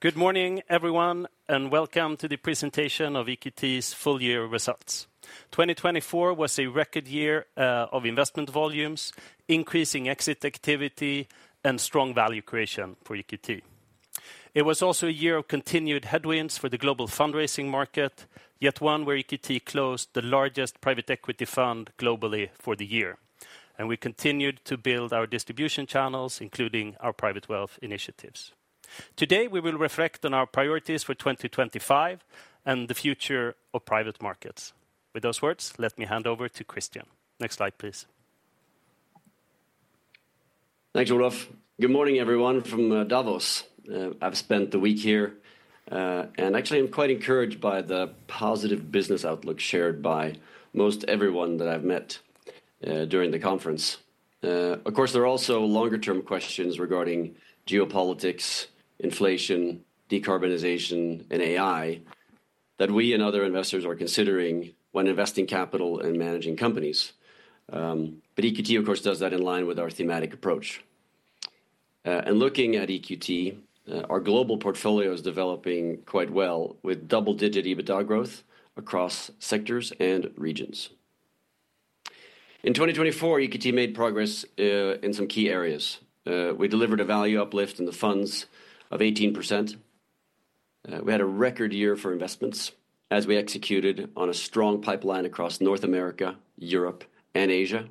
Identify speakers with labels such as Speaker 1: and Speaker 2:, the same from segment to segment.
Speaker 1: Good morning, everyone, and welcome to the presentation of EQT's Full-year Results. 2024 was a record year of investment volumes, increasing exit activity, and strong value creation for EQT. It was also a year of continued headwinds for the global fundraising market, yet one where EQT closed the largest private equity fund globally for the year, and we continued to build our distribution channels, including our private wealth initiatives. Today, we will reflect on our priorities for 2025 and the future of private markets. With those words, let me hand over to Christian. Next slide, please.
Speaker 2: Thanks, Olof. Good morning, everyone, from Davos. I've spent the week here, and actually, I'm quite encouraged by the positive business outlook shared by most everyone that I've met during the conference. Of course, there are also longer-term questions regarding geopolitics, inflation, decarbonization, and AI that we and other investors are considering when investing capital and managing companies. But EQT, of course, does that in line with our thematic approach. And looking at EQT, our global portfolio is developing quite well with double-digit EBITDA growth across sectors and regions. In 2024, EQT made progress in some key areas. We delivered a value uplift in the funds of 18%. We had a record year for investments as we executed on a strong pipeline across North America, Europe, and Asia.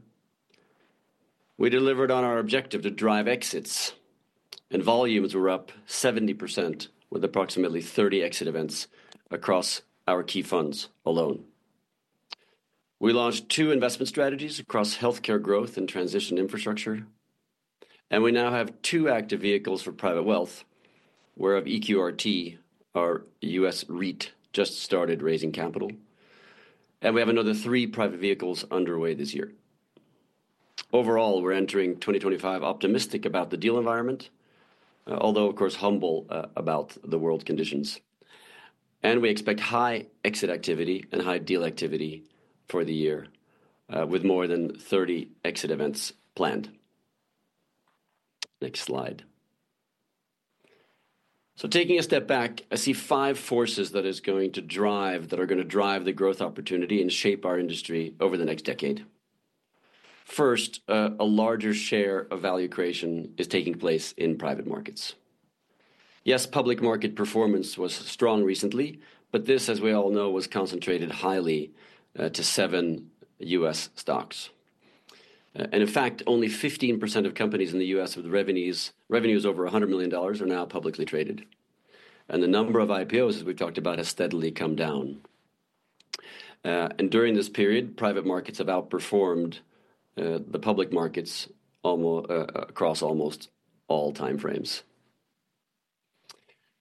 Speaker 2: We delivered on our objective to drive exits, and volumes were up 70% with approximately 30 exit events across our key funds alone. We launched two investment strategies across Healthcare Growth and Transition Infrastructure, and we now have two active vehicles for private wealth, where EQRT, our U.S. REIT, just started raising capital, and we have another three private vehicles underway this year. Overall, we're entering 2025 optimistic about the deal environment, although, of course, humble about the world conditions, and we expect high exit activity and high deal activity for the year, with more than 30 exit events planned. Next slide. Taking a step back, I see five forces that are going to drive the growth opportunity and shape our industry over the next decade. First, a larger share of value creation is taking place in private markets. Yes, public market performance was strong recently, but this, as we all know, was concentrated highly to seven U.S. stocks. And in fact, only 15% of companies in the U.S. with revenues over $100 million are now publicly traded. And the number of IPOs, as we've talked about, has steadily come down. And during this period, private markets have outperformed the public markets across almost all time frames.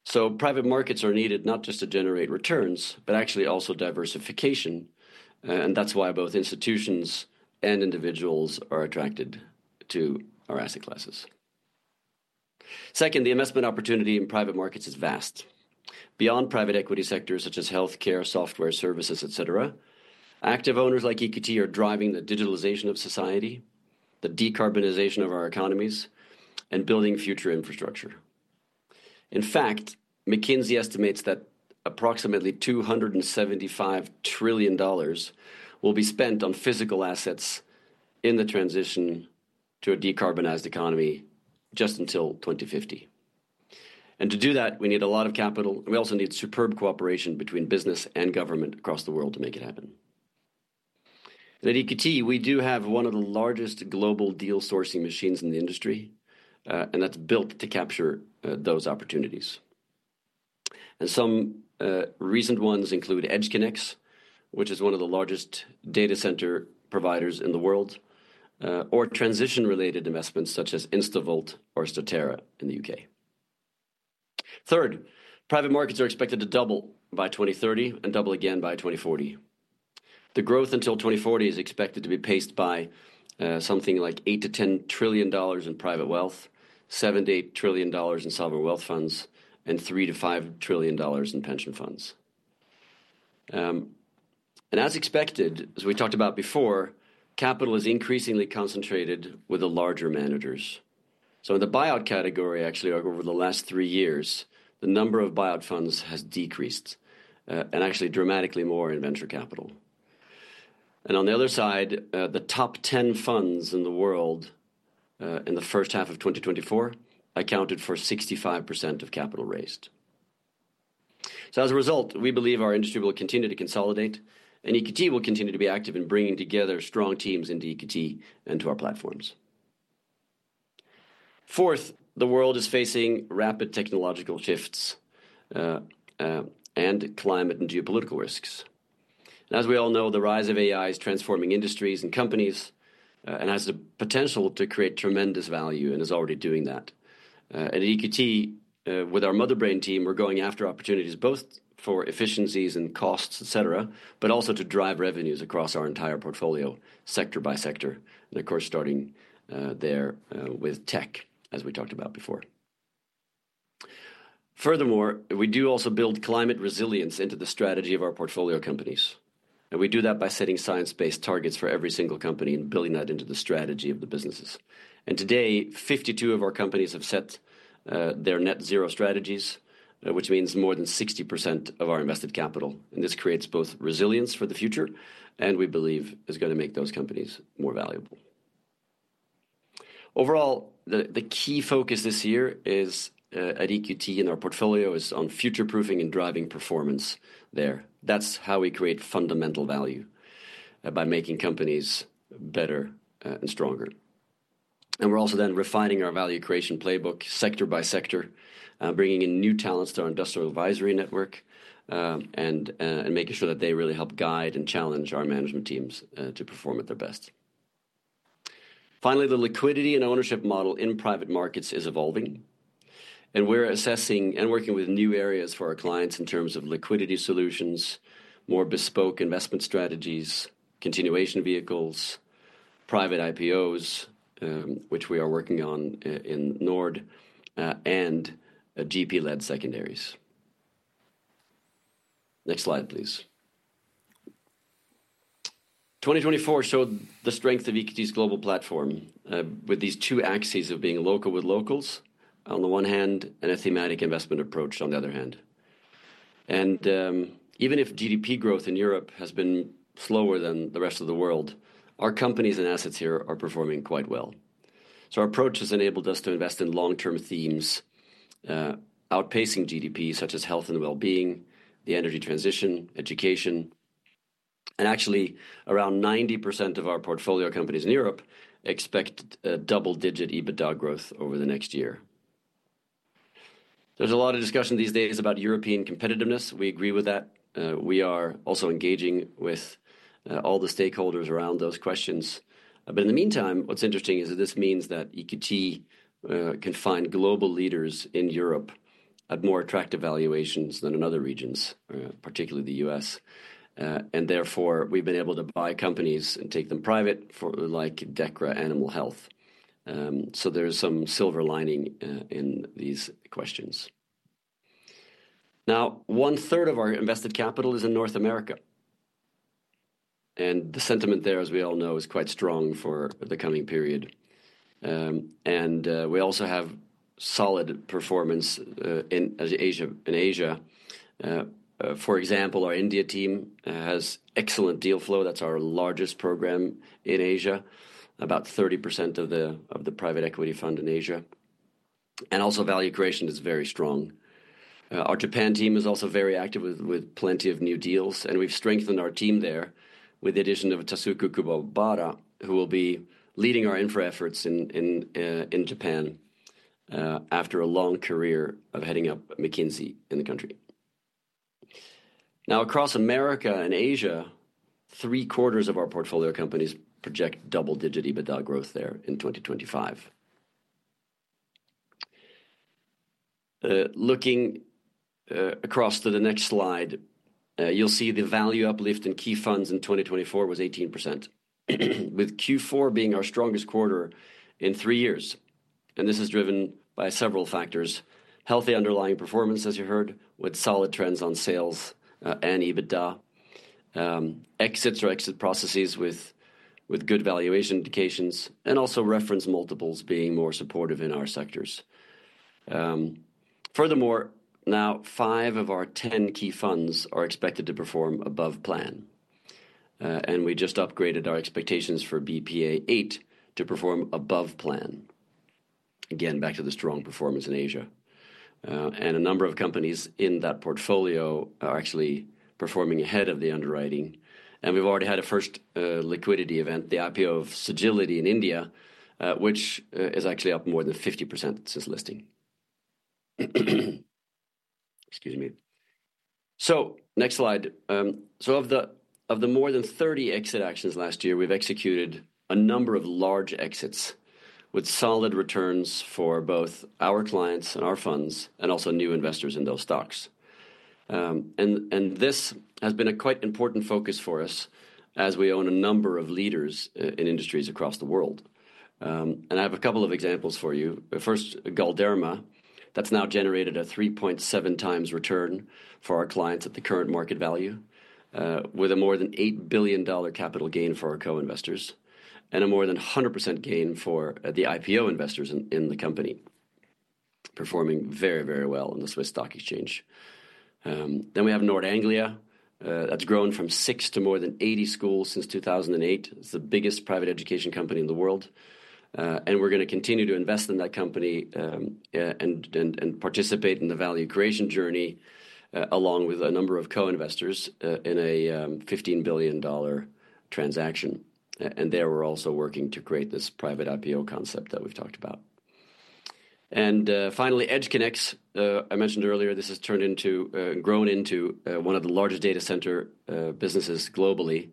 Speaker 2: So private markets are needed not just to generate returns, but actually also diversification. And that's why both institutions and individuals are attracted to our asset classes. Second, the investment opportunity in private markets is vast. Beyond private equity sectors such as healthcare, software, services, et cetera, active owners like EQT are driving the digitalization of society, the decarbonization of our economies, and building future infrastructure. In fact, McKinsey estimates that approximately $275 trillion will be spent on physical assets in the transition to a decarbonized economy just until 2050, and to do that, we need a lot of capital. We also need superb cooperation between business and government across the world to make it happen. At EQT, we do have one of the largest global deal-sourcing machines in the industry, and that's built to capture those opportunities, and some recent ones include EdgeConneX, which is one of the largest data center providers in the world, or transition-related investments such as InstaVolt or Statera in the U.K. Third, private markets are expected to double by 2030 and double again by 2040. The growth until 2040 is expected to be paced by something like $8 trillion-$10 trillion in private wealth, $7 trillion-$8 trillion in sovereign wealth funds, and $3 trillion-$5 trillion in pension funds. And as expected, as we talked about before, capital is increasingly concentrated with the larger managers. So in the buyout category, actually, over the last three years, the number of buyout funds has decreased, and actually dramatically more in venture capital. And on the other side, the top 10 funds in the world in the first half of 2024 accounted for 65% of capital raised. So as a result, we believe our industry will continue to consolidate, and EQT will continue to be active in bringing together strong teams into EQT and to our platforms. Fourth, the world is facing rapid technological shifts and climate and geopolitical risks. As we all know, the rise of AI is transforming industries and companies and has the potential to create tremendous value and is already doing that. At EQT, with our Motherbrain team, we're going after opportunities both for efficiencies and costs, et cetera, but also to drive revenues across our entire portfolio sector by sector, and of course, starting there with tech, as we talked about before. Furthermore, we do also build climate resilience into the strategy of our portfolio companies. We do that by setting science-based targets for every single company and building that into the strategy of the businesses. Today, 52 of our companies have set their net zero strategies, which means more than 60% of our invested capital. This creates both resilience for the future and, we believe, is going to make those companies more valuable. Overall, the key focus this year at EQT in our portfolio is on future-proofing and driving performance there. That's how we create fundamental value by making companies better and stronger. And we're also then refining our value creation playbook sector by sector, bringing in new talents to our industrial advisory network and making sure that they really help guide and challenge our management teams to perform at their best. Finally, the liquidity and ownership model in private markets is evolving. And we're assessing and working with new areas for our clients in terms of liquidity solutions, more bespoke investment strategies, continuation vehicles, private IPOs, which we are working on in Nord, and GP-led secondaries. Next slide, please. 2024 showed the strength of EQT's global platform with these two axes of being local with locals on the one hand and a thematic investment approach on the other hand. And even if GDP growth in Europe has been slower than the rest of the world, our companies and assets here are performing quite well. So our approach has enabled us to invest in long-term themes outpacing GDP, such as health and well-being, the energy transition, education. And actually, around 90% of our portfolio companies in Europe expect double-digit EBITDA growth over the next year. There's a lot of discussion these days about European competitiveness. We agree with that. We are also engaging with all the stakeholders around those questions. But in the meantime, what's interesting is that this means that EQT can find global leaders in Europe at more attractive valuations than in other regions, particularly the U.S. And therefore, we've been able to buy companies and take them private, like Dechra Animal Health. So there's some silver lining in these questions. Now, 1/3 of our invested capital is in North America. And the sentiment there, as we all know, is quite strong for the coming period. And we also have solid performance in Asia. For example, our India team has excellent deal flow. That's our largest program in Asia, about 30% of the private equity fund in Asia. And also, value creation is very strong. Our Japan team is also very active with plenty of new deals. And we've strengthened our team there with the addition of Tasuku Kuwabara, who will be leading our infra efforts in Japan after a long career of heading up McKinsey in the country. Now, across America and Asia, three-quarters of our portfolio companies project double-digit EBITDA growth there in 2025. Looking across to the next slide, you'll see the value uplift in key funds in 2024 was 18%, with Q4 being our strongest quarter in three years. And this is driven by several factors: healthy underlying performance, as you heard, with solid trends on sales and EBITDA, exits or exit processes with good valuation indications, and also reference multiples being more supportive in our sectors. Furthermore, now five of our 10 key funds are expected to perform above plan. And we just upgraded our expectations for BPEA VIII to perform above plan. Again, back to the strong performance in Asia. And a number of companies in that portfolio are actually performing ahead of the underwriting. And we've already had a first liquidity event, the IPO of Sagility in India, which is actually up more than 50% since listing. Excuse me. So next slide. So of the more than 30 exit actions last year, we've executed a number of large exits with solid returns for both our clients and our funds and also new investors in those stocks. This has been a quite important focus for us as we own a number of leaders in industries across the world. I have a couple of examples for you. First, Galderma. That's now generated a 3.7 times return for our clients at the current market value, with a more than $8 billion capital gain for our co-investors and a more than 100% gain for the IPO investors in the company, performing very, very well on the Swiss stock exchange. We have Nord Anglia. That's grown from six to more than 80 schools since 2008. It's the biggest private education company in the world. We're going to continue to invest in that company and participate in the value creation journey along with a number of co-investors in a $15 billion transaction. There we're also working to create this private IPO concept that we've talked about. Finally, EdgeConneX. I mentioned earlier, this has turned into and grown into one of the largest data center businesses globally.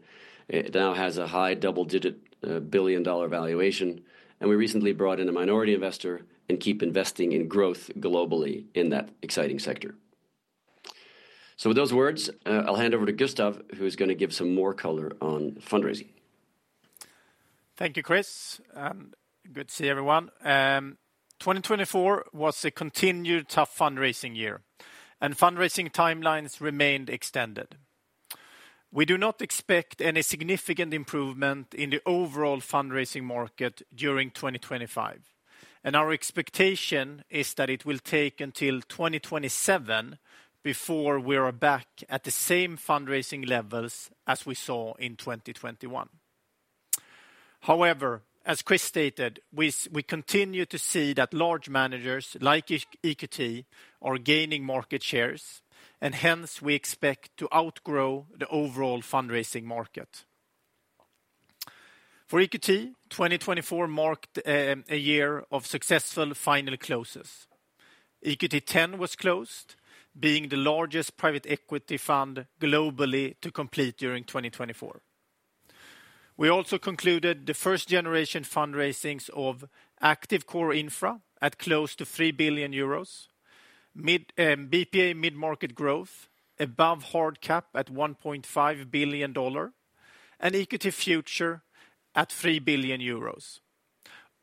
Speaker 2: It now has a high double-digit billion-dollar valuation. And we recently brought in a minority investor and keep investing in growth globally in that exciting sector. So with those words, I'll hand over to Gustav, who is going to give some more color on fundraising.
Speaker 3: Thank you, Chris. Good to see everyone. 2024 was a continued tough fundraising year, and fundraising timelines remained extended. We do not expect any significant improvement in the overall fundraising market during 2025. Our expectation is that it will take until 2027 before we are back at the same fundraising levels as we saw in 2021. However, as Chris stated, we continue to see that large managers like EQT are gaining market shares, and hence we expect to outgrow the overall fundraising market. For EQT, 2024 marked a year of successful final closes. EQT X was closed, being the largest private equity fund globally to complete during 2024. We also concluded the first-generation fundraisings of Active Core Infra at close to 3 billion euros, BPEA Mid-Market Growth above hard cap at $1.5 billion, and EQT Future at 3 billion euros.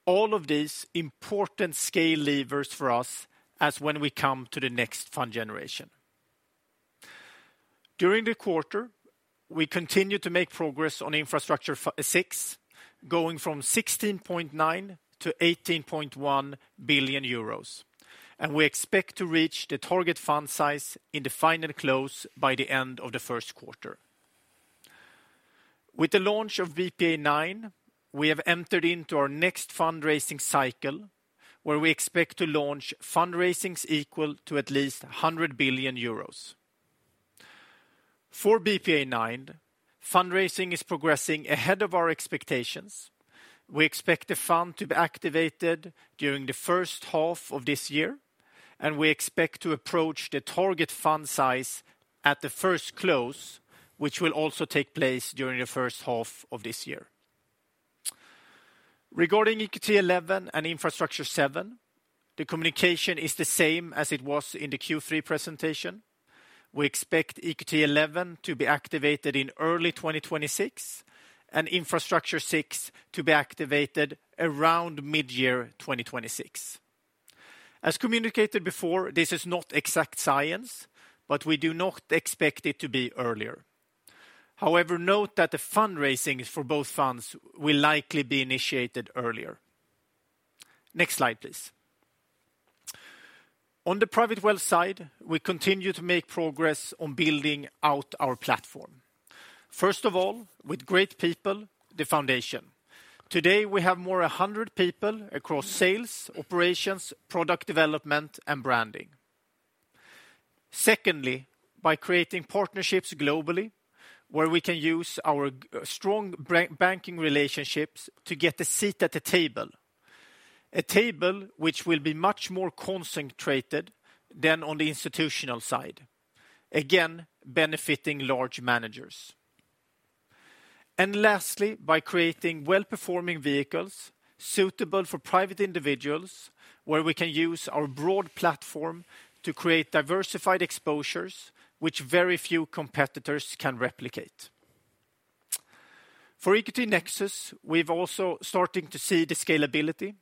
Speaker 3: All of these important scale levers for us as when we come to the next fund generation. During the quarter, we continue to make progress on Infrastructure VI, going from 16.9 billion to 18.1 billion euros, and we expect to reach the target fund size in the final close by the end of the first quarter. With the launch of BPEA IX, we have entered into our next fundraising cycle, where we expect to launch fundraisings equal to at least 100 billion euros. For BPEA IX, fundraising is progressing ahead of our expectations. We expect the fund to be activated during the first half of this year, and we expect to approach the target fund size at the first close, which will also take place during the first half of this year. Regarding EQT XI and Infrastructure VII, the communication is the same as it was in the Q3 presentation. We expect EQT XI to be activated in early 2026 and Infrastructure VI to be activated around mid-year 2026. As communicated before, this is not exact science, but we do not expect it to be earlier. However, note that the fundraisings for both funds will likely be initiated earlier. Next slide, please. On the private wealth side, we continue to make progress on building out our platform. First of all, with great people, the foundation. Today, we have more than 100 people across sales, operations, product development, and branding. Secondly, by creating partnerships globally where we can use our strong banking relationships to get a seat at the table, a table which will be much more concentrated than on the institutional side, again, benefiting large managers. And lastly, by creating well-performing vehicles suitable for private individuals where we can use our broad platform to create diversified exposures which very few competitors can replicate. For EQT Nexus, we've also starting to see the scalability,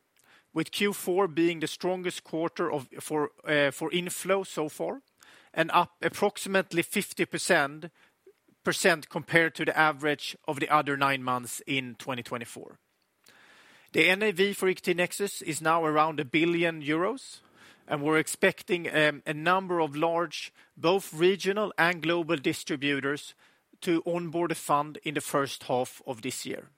Speaker 3: with Q4 being the strongest quarter for inflow so far and up approximately 50% compared to the average of the other nine months in 2024. The NAV for EQT Nexus is now around 1 billion euros, and we're expecting a number of large both regional and global distributors to onboard a fund in the first half of this year.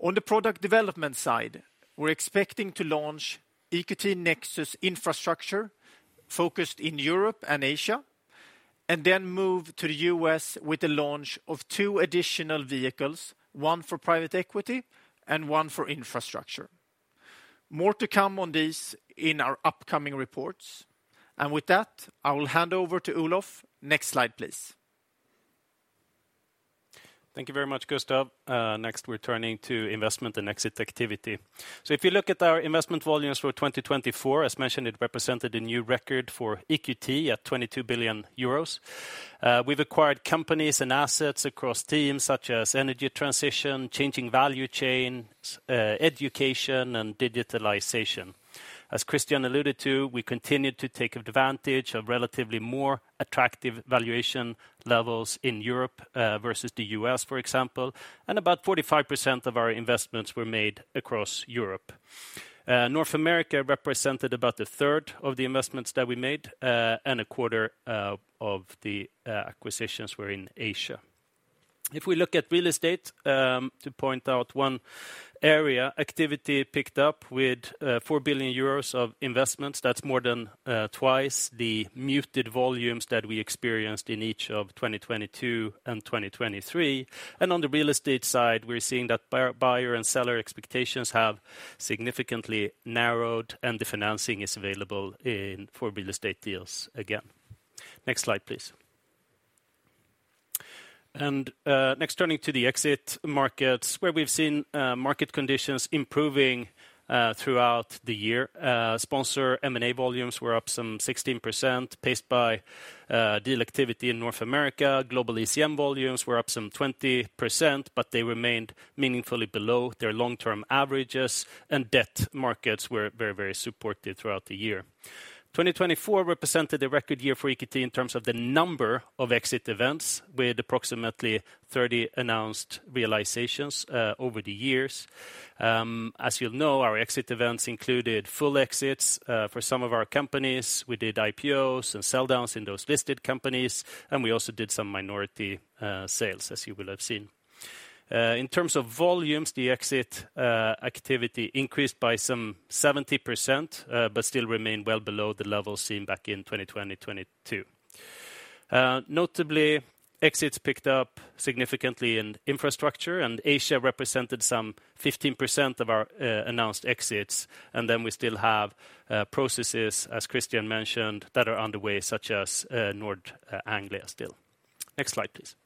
Speaker 3: On the product development side, we're expecting to launch EQT Nexus Infrastructure focused in Europe and Asia, and then move to the U.S. with the launch of two additional vehicles, one for private equity and one for infrastructure. More to come on these in our upcoming reports, and with that, I will hand over to Olof. Next slide, please.
Speaker 1: Thank you very much, Gustav. Next, we're turning to investment and exit activity. So if you look at our investment volumes for 2024, as mentioned, it represented a new record for EQT at 22 billion euros. We've acquired companies and assets across themes such as energy transition, changing value chain, education, and digitalization. As Christian alluded to, we continued to take advantage of relatively more attractive valuation levels in Europe versus the U.S., for example, and about 45% of our investments were made across Europe. North America represented about a third of the investments that we made, and a quarter of the acquisitions were in Asia. If we look at real estate, to point out one area, activity picked up with 4 billion euros of investments. That's more than twice the muted volumes that we experienced in each of 2022 and 2023. And on the real estate side, we're seeing that buyer and seller expectations have significantly narrowed, and the financing is available for real estate deals again. Next slide, please. And next, turning to the exit markets, where we've seen market conditions improving throughout the year. Sponsor M&A volumes were up some 16%, paced by deal activity in North America. Global ECM volumes were up some 20%, but they remained meaningfully below their long-term averages. And debt markets were very, very supportive throughout the year. 2024 represented a record year for EQT in terms of the number of exit events, with approximately 30 announced realizations over the years. As you'll know, our exit events included full exits for some of our companies. We did IPOs and sell-downs in those listed companies, and we also did some minority sales, as you will have seen. In terms of volumes, the exit activity increased by some 70%, but still remained well below the levels seen back in 2020, 2022. Notably, exits picked up significantly in infrastructure, and Asia represented some 15% of our announced exits. And then we still have processes, as Christian mentioned, that are underway, such as Nord Anglia still. Next slide, please.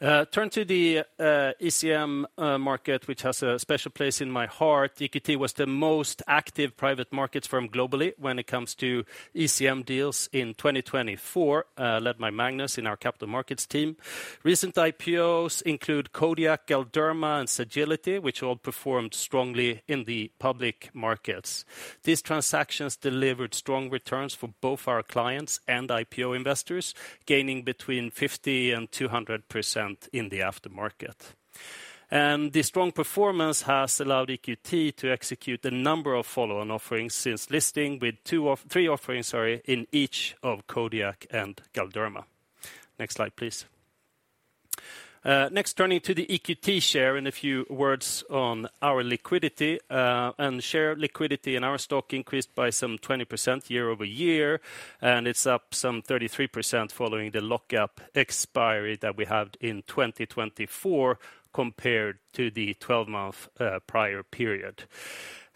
Speaker 1: Turn to the ECM market, which has a special place in my heart. EQT was the most active private markets firm globally when it comes to ECM deals in 2024, led by Magnus in our capital markets team. Recent IPOs include Kodiak, Galderma, and Sagility, which all performed strongly in the public markets. These transactions delivered strong returns for both our clients and IPO investors, gaining between 50% and 200% in the aftermarket. This strong performance has allowed EQT to execute a number of follow-on offerings since listing, with three offerings in each of Kodiak and Galderma. Next slide, please. Next, turning to the EQT share and a few words on our liquidity. Share liquidity in our stock increased by some 20% year-over-year, and it's up some 33% following the lock-up expiry that we had in 2024 compared to the 12-month prior period.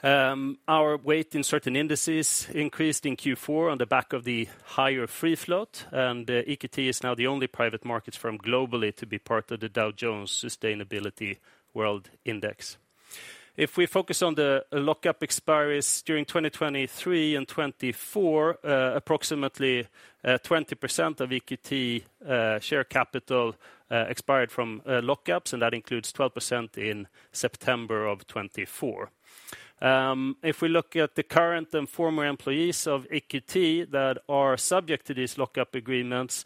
Speaker 1: Our weight in certain indices increased in Q4 on the back of the higher free float, and EQT is now the only private markets firm globally to be part of the Dow Jones Sustainability World Index. If we focus on the lock-up expiry during 2023 and 2024, approximately 20% of EQT share capital expired from lock-ups, and that includes 12% in September of 2024. If we look at the current and former employees of EQT that are subject to these lock-up agreements,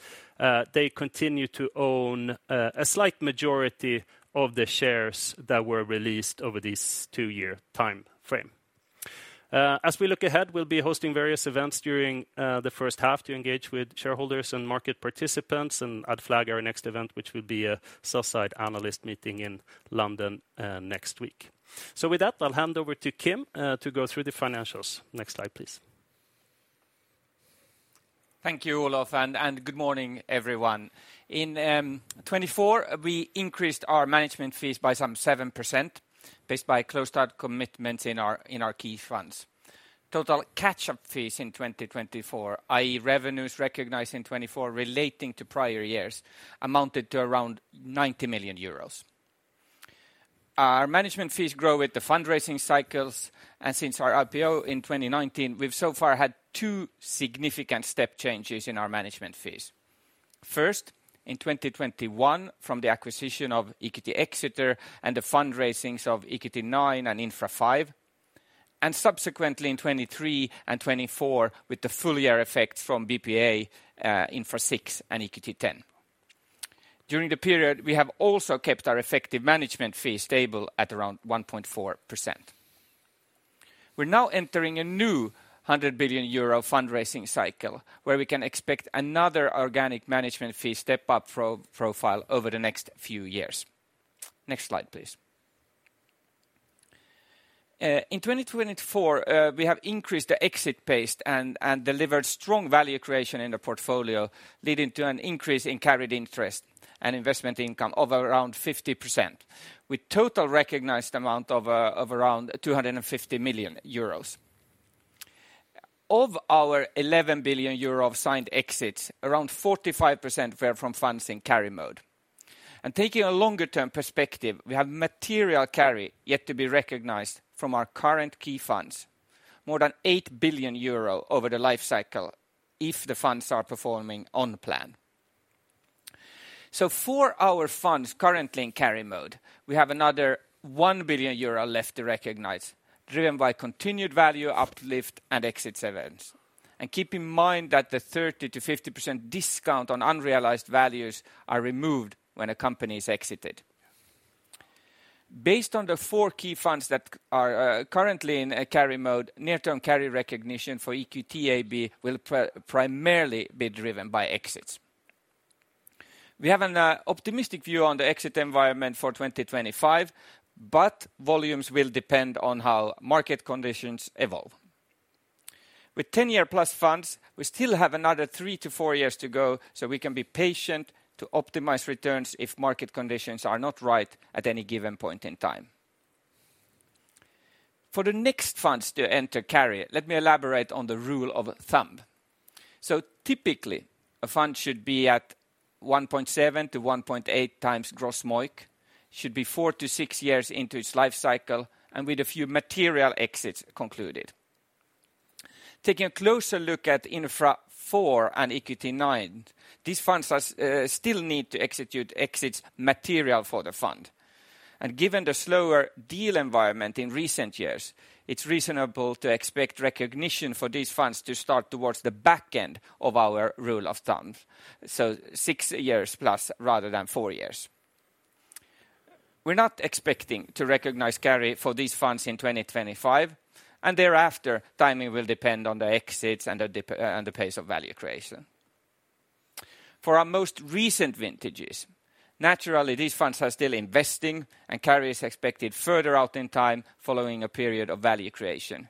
Speaker 1: they continue to own a slight majority of the shares that were released over this two-year time frame. As we look ahead, we'll be hosting various events during the first half to engage with shareholders and market participants and flag our next event, which will be a sell-side analyst meeting in London next week. So with that, I'll hand over to Kim to go through the financials. Next slide, please.
Speaker 4: Thank you, Olof, and good morning, everyone. In 2024, we increased our management fees by some 7% based on closed-out commitments in our key funds. Total catch-up fees in 2024, i.e., revenues recognized in 2024 relating to prior years, amounted to around 90 million euros. Our management fees grow with the fundraising cycles, and since our IPO in 2019, we've so far had two significant step changes in our management fees. First, in 2021, from the acquisition of EQT Exeter and the fundraisings of EQT IX and Infra V, and subsequently in 2023 and 2024 with the full year effects from BPEA, Infra VI and EQT IX. During the period, we have also kept our effective management fee stable at around 1.4%. We're now entering a new 100 billion euro fundraising cycle where we can expect another organic management fee step-up profile over the next few years. Next slide, please. In 2024, we have increased the exit pace and delivered strong value creation in the portfolio, leading to an increase in carried interest and investment income of around 50%, with total recognized amount of around 250 million euros. Of our 11 billion euro signed exits, around 45% were from funds in carry mode. And taking a longer-term perspective, we have material carry yet to be recognized from our current key funds, more than 8 billion euro over the life cycle if the funds are performing on plan. So for our funds currently in carry mode, we have another 1 billion euro left to recognize, driven by continued value uplift and exit events. And keep in mind that the 30%-50% discount on unrealized values is removed when a company is exited. Based on the four key funds that are currently in carry mode, near-term carry recognition for EQT AB will primarily be driven by exits. We have an optimistic view on the exit environment for 2025, but volumes will depend on how market conditions evolve. With 10-year plus funds, we still have another three to four years to go, so we can be patient to optimize returns if market conditions are not right at any given point in time. For the next funds to enter carry, let me elaborate on the rule of thumb. So typically, a fund should be at 1.7 to 1.8 times gross MOIC, should be four to six years into its life cycle, and with a few material exits concluded. Taking a closer look at Infra IV and EQT IX, these funds still need to execute exits material for the fund. Given the slower deal environment in recent years, it's reasonable to expect recognition for these funds to start towards the back end of our rule of thumb, so six years plus rather than four years. We're not expecting to recognize carry for these funds in 2025, and thereafter, timing will depend on the exits and the pace of value creation. For our most recent vintages, naturally, these funds are still investing, and carry is expected further out in time following a period of value creation.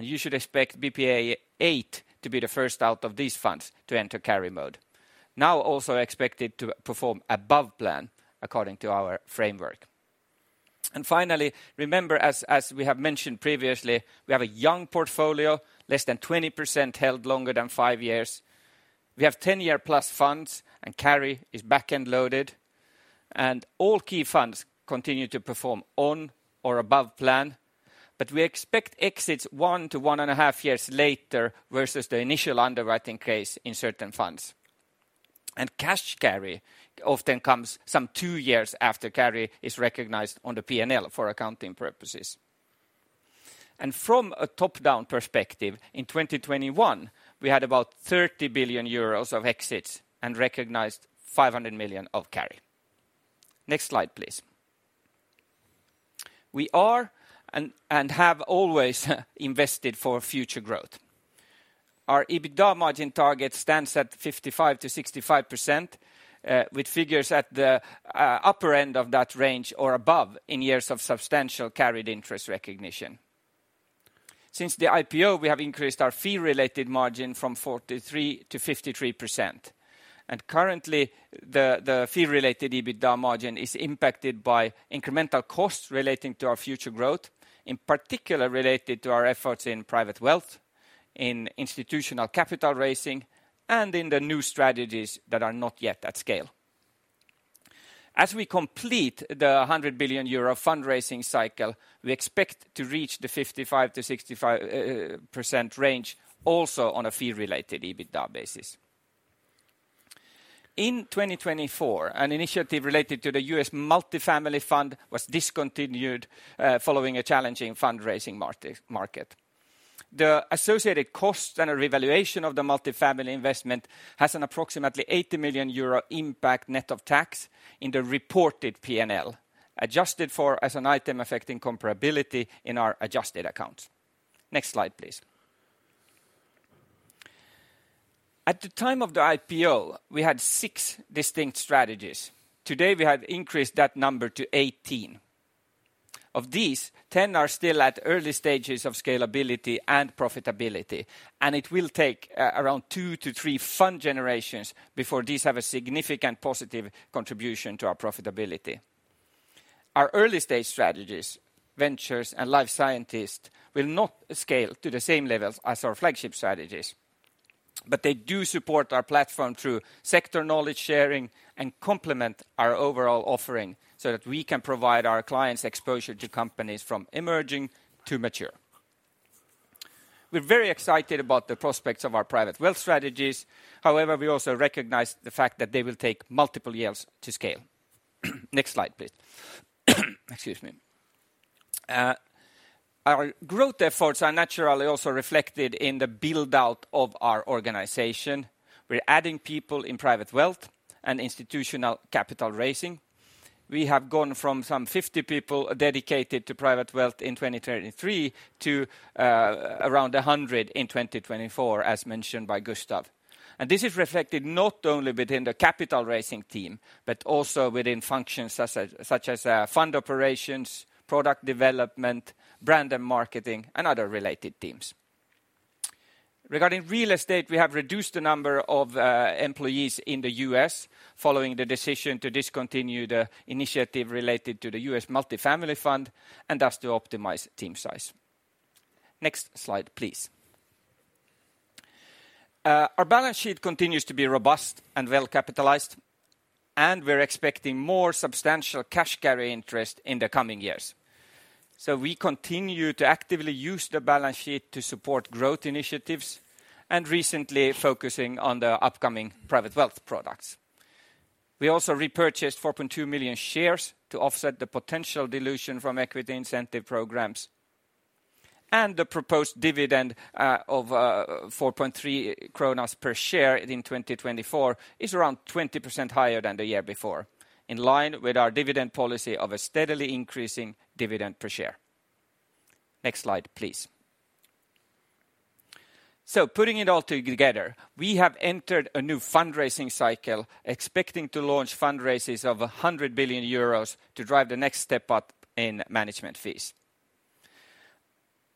Speaker 4: You should expect BPEA VIII to be the first out of these funds to enter carry mode, now also expected to perform above plan according to our framework. Finally, remember, as we have mentioned previously, we have a young portfolio, less than 20% held longer than five years. We have 10-year plus funds, and carry is back-end loaded. And all key funds continue to perform on or above plan, but we expect exits one to one and a half years later versus the initial underwriting case in certain funds. And cash carry often comes some two years after carry is recognized on the P&L for accounting purposes. And from a top-down perspective, in 2021, we had about 30 billion euros of exits and recognized 500 million of carry. Next slide, please. We are and have always invested for future growth. Our EBITDA margin target stands at 55%-65%, with figures at the upper end of that range or above in years of substantial carried interest recognition. Since the IPO, we have increased our fee-related margin from 43% to 53%. Currently, the fee-related EBITDA margin is impacted by incremental costs relating to our future growth, in particular related to our efforts in private wealth, in institutional capital raising, and in the new strategies that are not yet at scale. As we complete the 100 billion euro fundraising cycle, we expect to reach the 55%-65% range also on a fee-related EBITDA basis. In 2024, an initiative related to the U.S. Multifamily Fund was discontinued following a challenging fundraising market. The associated cost and a revaluation of the multifamily investment has an approximately 80 million euro impact net of tax in the reported P&L, adjusted for as an item affecting comparability in our adjusted accounts. Next slide, please. At the time of the IPO, we had six distinct strategies. Today, we have increased that number to 18. Of these, 10 are still at early stages of scalability and profitability, and it will take around two to three fund generations before these have a significant positive contribution to our profitability. Our early-stage strategies, ventures, and life sciences will not scale to the same levels as our flagship strategies, but they do support our platform through sector knowledge sharing and complement our overall offering so that we can provide our clients exposure to companies from emerging to mature. We're very excited about the prospects of our private wealth strategies. However, we also recognize the fact that they will take multiple years to scale. Next slide, please. Excuse me. Our growth efforts are naturally also reflected in the build-out of our organization. We're adding people in private wealth and institutional capital raising. We have gone from some 50 people dedicated to private wealth in 2023 to around 100 in 2024, as mentioned by Gustav. And this is reflected not only within the capital raising team, but also within functions such as fund operations, product development, brand and marketing, and other related teams. Regarding real estate, we have reduced the number of employees in the U.S. following the decision to discontinue the initiative related to the U.S. Multifamily Fund and thus to optimize team size. Next slide, please. Our balance sheet continues to be robust and well-capitalized, and we're expecting more substantial cash carried interest in the coming years. So we continue to actively use the balance sheet to support growth initiatives and recently focusing on the upcoming private wealth products. We also repurchased 4.2 million shares to offset the potential dilution from equity incentive programs. The proposed dividend of 4.3 kronor per share in 2024 is around 20% higher than the year before, in line with our dividend policy of a steadily increasing dividend per share. Next slide, please. Putting it all together, we have entered a new fundraising cycle, expecting to launch fundraisers of 100 billion euros to drive the next step up in management fees.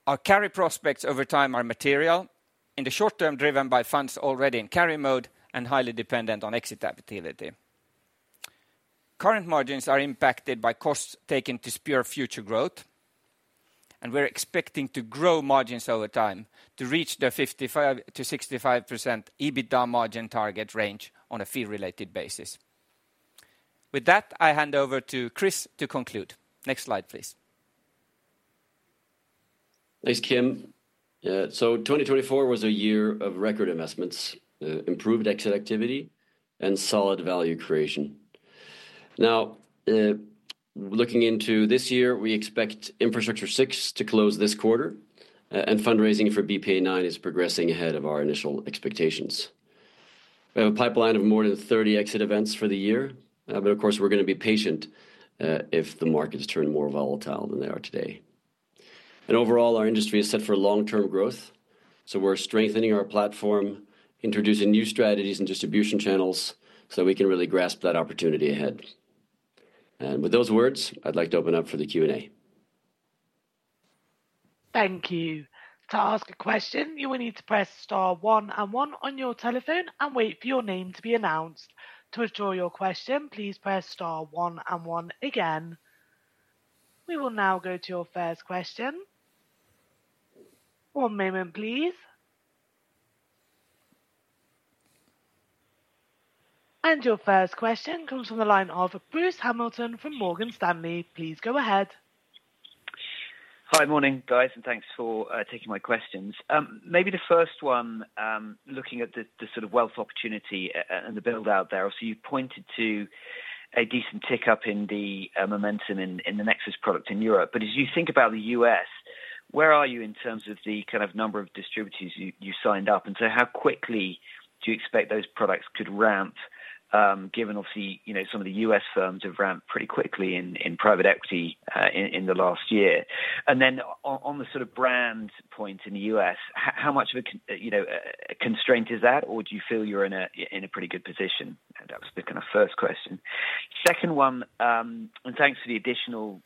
Speaker 4: Our carry prospects over time are material, in the short term driven by funds already in carry mode and highly dependent on exitability. Current margins are impacted by costs taken to spur future growth, and we're expecting to grow margins over time to reach the 55%-65% EBITDA margin target range on a fee-related basis. With that, I hand over to Chris to conclude. Next slide, please.
Speaker 2: Thanks, Kim. 2024 was a year of record investments, improved exit activity, and solid value creation. Now, looking into this year, we expect Infrastructure VI to close this quarter, and fundraising for BPEA IX is progressing ahead of our initial expectations. We have a pipeline of more than 30 exit events for the year, but of course, we're going to be patient if the markets turn more volatile than they are today. And overall, our industry is set for long-term growth, so we're strengthening our platform, introducing new strategies and distribution channels so we can really grasp that opportunity ahead. And with those words, I'd like to open up for the Q&A.
Speaker 5: Thank you. To ask a question, you will need to press star one and one on your telephone and wait for your name to be announced. To withdraw your question, please press star one and one again. We will now go to your first question. One moment, please. And your first question comes from the line of Bruce Hamilton from Morgan Stanley. Please go ahead.
Speaker 6: Hi, morning, guys, and thanks for taking my questions. Maybe the first one, looking at the sort of wealth opportunity and the build-out there, so you pointed to a decent tick up in the momentum in the Nexus product in Europe. But as you think about the U.S., where are you in terms of the kind of number of distributors you signed up? And so how quickly do you expect those products could ramp, given obviously some of the U.S. firms have ramped pretty quickly in private equity in the last year? And then on the sort of brand point in the U.S., how much of a constraint is that, or do you feel you're in a pretty good position? That was the kind of first question. Second one, and thanks for the additional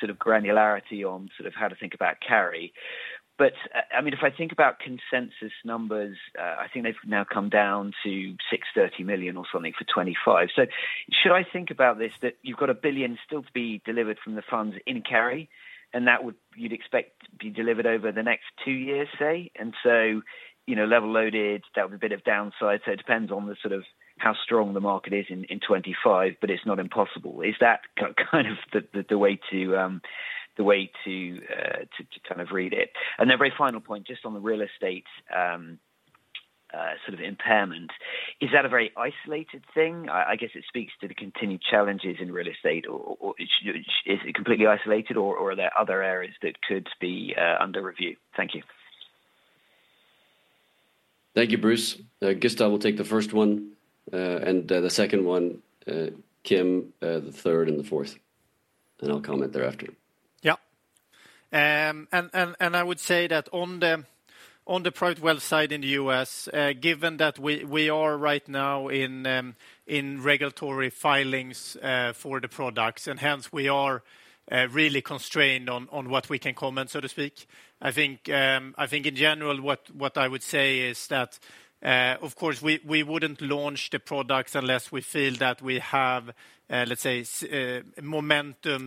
Speaker 6: sort of granularity on sort of how to think about carry. But I mean, if I think about consensus numbers, I think they've now come down to 630 million or something for 2025. So should I think about this that you've got a billion still to be delivered from the funds in carry, and that you'd expect to be delivered over the next two years, say? And so level loaded, that would be a bit of downside. So it depends on the sort of how strong the market is in 2025, but it's not impossible. Is that kind of the way to kind of read it? And then very final point, just on the real estate sort of impairment, is that a very isolated thing? I guess it speaks to the continued challenges in real estate. Is it completely isolated, or are there other areas that could be under review? Thank you.
Speaker 2: Thank you, Bruce. Gustav will take the first one, and the second one, Kim, the third, and the fourth, and I'll comment thereafter.
Speaker 3: Yep, and I would say that on the private wealth side in the U.S., given that we are right now in regulatory filings for the products, and hence we are really constrained on what we can comment, so to speak, I think in general, what I would say is that, of course, we wouldn't launch the products unless we feel that we have, let's say, momentum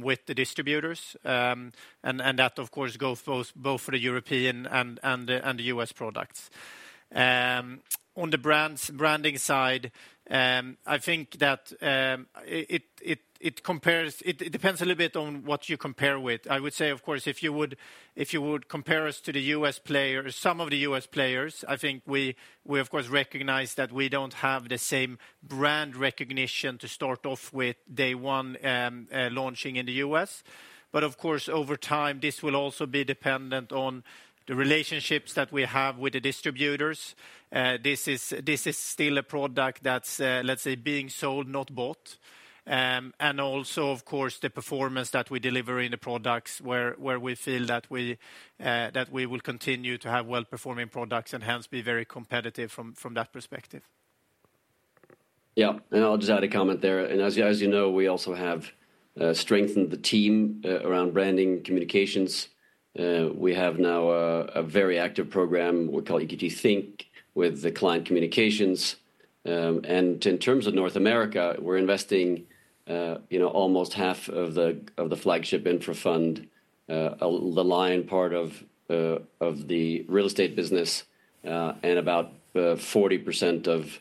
Speaker 3: with the distributors, and that, of course, goes both for the European and the U.S. products. On the branding side, I think that it depends a little bit on what you compare with. I would say, of course, if you would compare us to the U.S. players, some of the U.S. players, I think we, of course, recognize that we don't have the same brand recognition to start off with day one launching in the U.S. But of course, over time, this will also be dependent on the relationships that we have with the distributors. This is still a product that's, let's say, being sold, not bought. And also, of course, the performance that we deliver in the products where we feel that we will continue to have well-performing products and hence be very competitive from that perspective.
Speaker 2: Yeah, and I'll just add a comment there. And as you know, we also have strengthened the team around branding communications. We have now a very active program we call EQT Think with the client communications. And in terms of North America, we're investing almost half of the flagship infra fund, the lion part of the real estate business, and about 40% of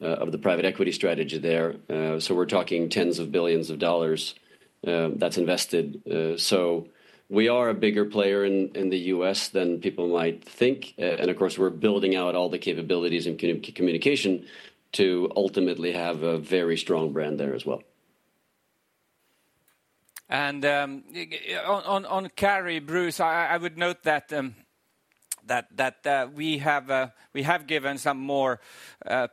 Speaker 2: the private equity strategy there. So we're talking tens of billions of dollars that's invested. So we are a bigger player in the U.S. than people might think. And of course, we're building out all the capabilities and communication to ultimately have a very strong brand there as well.
Speaker 4: And on carry, Bruce, I would note that we have given some more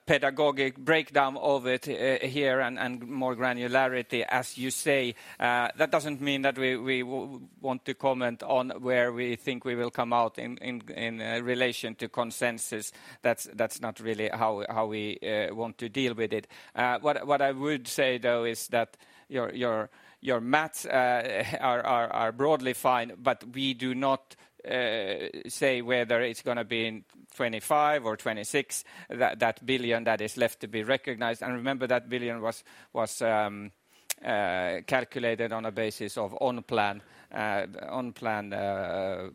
Speaker 4: pedagogic breakdown of it here and more granularity, as you say. That doesn't mean that we want to comment on where we think we will come out in relation to consensus. That's not really how we want to deal with it. What I would say, though, is that your math are broadly fine, but we do not say whether it's going to be in 2025 or 2026, that billion that is left to be recognized, and remember that billion was calculated on a basis of on-plan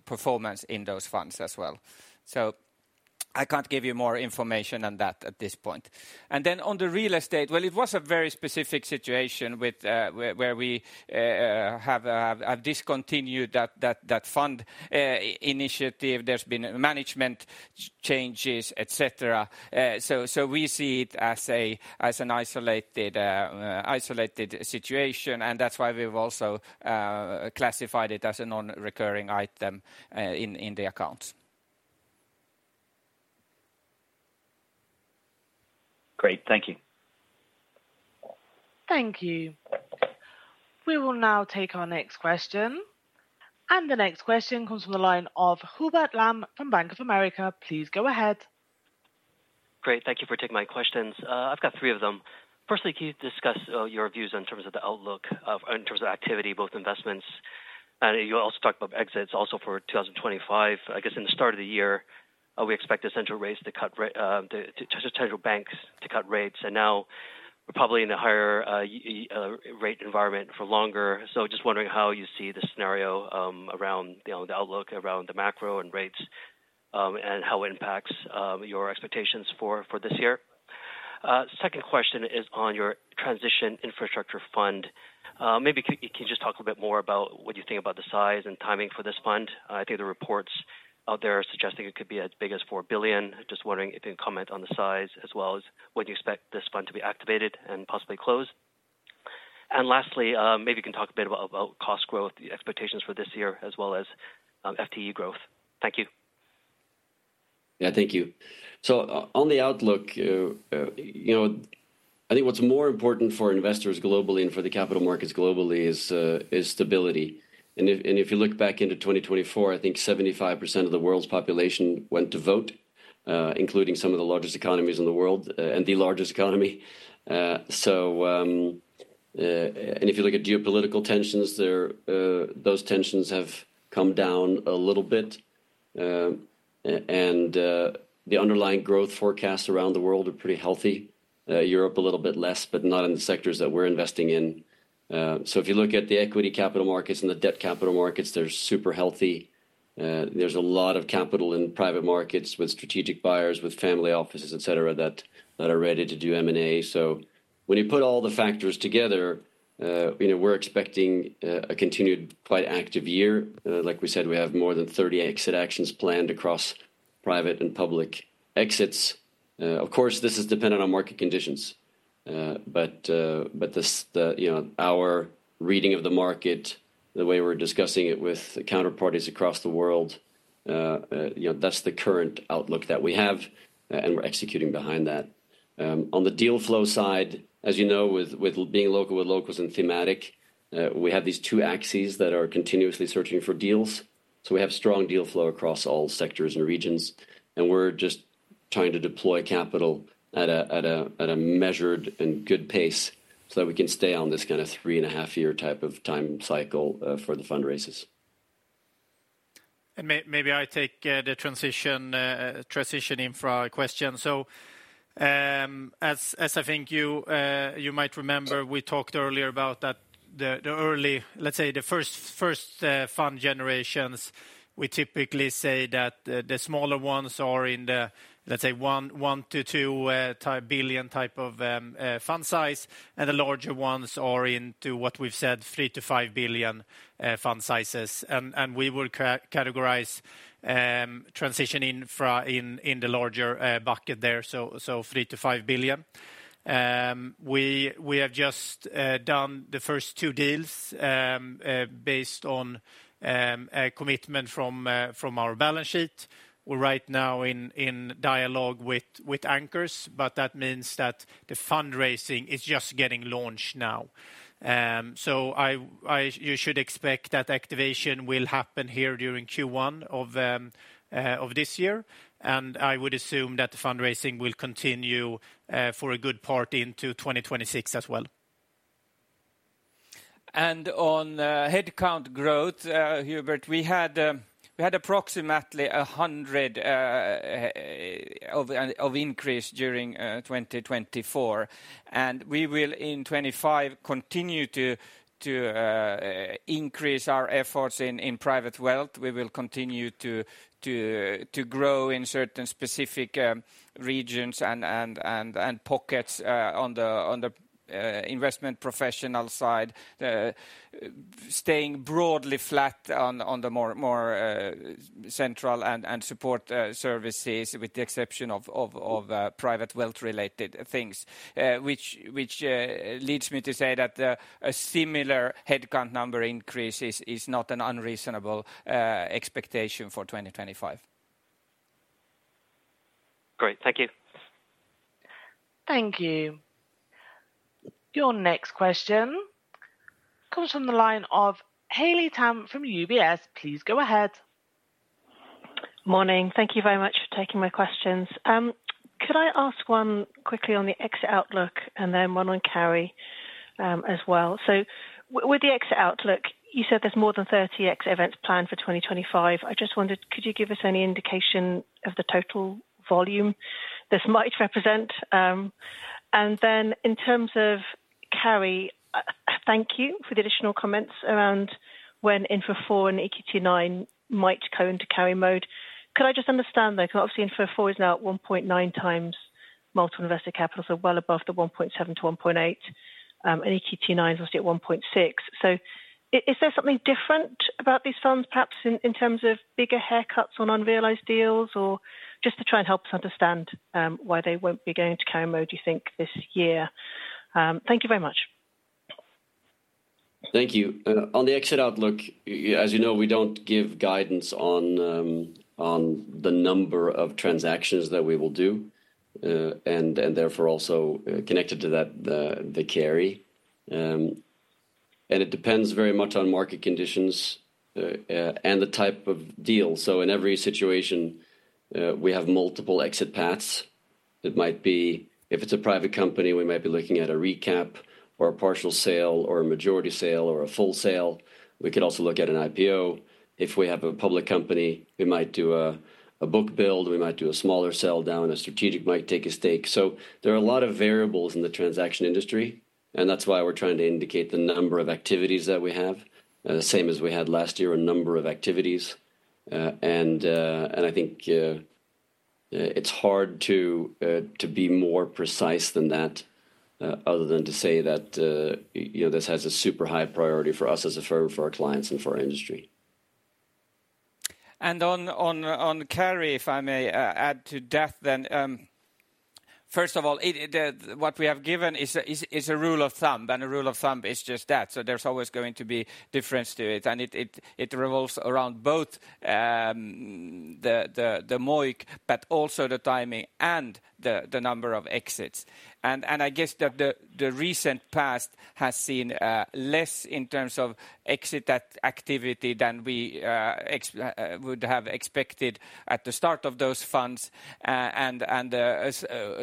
Speaker 4: performance in those funds as well. So I can't give you more information on that at this point, and then on the real estate, well, it was a very specific situation where we have discontinued that fund initiative. There's been management changes, etc. So we see it as an isolated situation, and that's why we've also classified it as a non-recurring item in the accounts.
Speaker 6: Great, thank you.
Speaker 5: Thank you. We will now take our next question, and the next question comes from the line of Hubert Lam from Bank of America. Please go ahead.
Speaker 7: Great, thank you for taking my questions. I've got three of them. Firstly, can you discuss your views in terms of the outlook in terms of activity, both investments? And you also talked about exits also for 2025. I guess at the start of the year, we expected central banks to cut rates, and now we're probably in a higher rate environment for longer. So just wondering how you see the scenario around the outlook around the macro and rates and how it impacts your expectations for this year. Second question is on your transition infrastructure fund. Maybe you can just talk a little bit more about what you think about the size and timing for this fund. I think the reports out there are suggesting it could be as big as 4 billion. Just wondering if you can comment on the size as well as when you expect this fund to be activated and possibly closed. And lastly, maybe you can talk a bit about cost growth, the expectations for this year, as well as FTE growth. Thank you.
Speaker 2: Yeah, thank you. So on the outlook, I think what's more important for investors globally and for the capital markets globally is stability. And if you look back into 2024, I think 75% of the world's population went to vote, including some of the largest economies in the world and the largest economy. And if you look at geopolitical tensions, those tensions have come down a little bit. And the underlying growth forecasts around the world are pretty healthy. Europe, a little bit less, but not in the sectors that we're investing in. So if you look at the equity capital markets and the debt capital markets, they're super healthy. There's a lot of capital in private markets with strategic buyers, with family offices, etc., that are ready to do M&A. So when you put all the factors together, we're expecting a continued quite active year. Like we said, we have more than 30 exit actions planned across private and public exits. Of course, this is dependent on market conditions. But our reading of the market, the way we're discussing it with counterparties across the world, that's the current outlook that we have, and we're executing behind that. On the deal flow side, as you know, with being local with locals and thematic, we have these two axes that are continuously searching for deals. So we have strong deal flow across all sectors and regions, and we're just trying to deploy capital at a measured and good pace so that we can stay on this kind of three and a half year type of time cycle for the fundraisers.
Speaker 4: And maybe I take the transition infra question. So as I think you might remember, we talked earlier about that the early, let's say, the first fund generations, we typically say that the smaller ones are in the, let's say, $1 billion-$2 billion type of fund size, and the larger ones are into what we've said, $3 billion-$5 billion fund sizes. And we will categorize transitioning in the larger bucket there, so $3 billion-$5 billion. We have just done the first two deals based on a commitment from our balance sheet. We're right now in dialogue with Anchors, but that means that the fundraising is just getting launched now. So you should expect that activation will happen here during Q1 of this year. And I would assume that the fundraising will continue for a good part into 2026 as well.
Speaker 3: And on headcount growth, Hubert, we had approximately 100 of increase during 2024. And we will in 2025 continue to increase our efforts in private wealth. We will continue to grow in certain specific regions and pockets on the investment professional side, staying broadly flat on the more central and support services with the exception of private wealth-related things, which leads me to say that a similar headcount number increase is not an unreasonable expectation for 2025.
Speaker 7: Great, thank you.
Speaker 5: Thank you. Your next question comes from the line of Hayley Tam from UBS. Please go ahead.
Speaker 8: Morning, thank you very much for taking my questions. Could I ask one quickly on the exit outlook and then one on carry as well? So with the exit outlook, you said there's more than 30 exit events planned for 2025. I just wondered, could you give us any indication of the total volume this might represent? And then in terms of carry, thank you for the additional comments around when Infra IV and EQT IX might go into carry mode. Could I just understand though, because obviously Infra IV is now at 1.9 times multiple investor capital, so well above the 1.7-1.8, and EQT 9 is obviously at 1.6. So is there something different about these funds, perhaps in terms of bigger haircuts on unrealized deals or just to try and help us understand why they won't be going to carry mode, you think, this year? Thank you very much.
Speaker 2: Thank you. On the exit outlook, as you know, we don't give guidance on the number of transactions that we will do and therefore also connected to that the carry, and it depends very much on market conditions and the type of deal, so in every situation, we have multiple exit paths. It might be, if it's a private company, we might be looking at a recap or a partial sale or a majority sale or a full sale. We could also look at an IPO. If we have a public company, we might do a book build, we might do a smaller sell down, a strategic might take a stake. So there are a lot of variables in the transaction industry, and that's why we're trying to indicate the number of activities that we have, same as we had last year, a number of activities. And I think it's hard to be more precise than that other than to say that this has a super high priority for us as a firm, for our clients, and for our industry.
Speaker 4: And on carry, if I may add to that then, first of all, what we have given is a rule of thumb, and a rule of thumb is just that. So there's always going to be difference to it, and it revolves around both the MOIC, but also the timing and the number of exits. And I guess that the recent past has seen less in terms of exit activity than we would have expected at the start of those funds and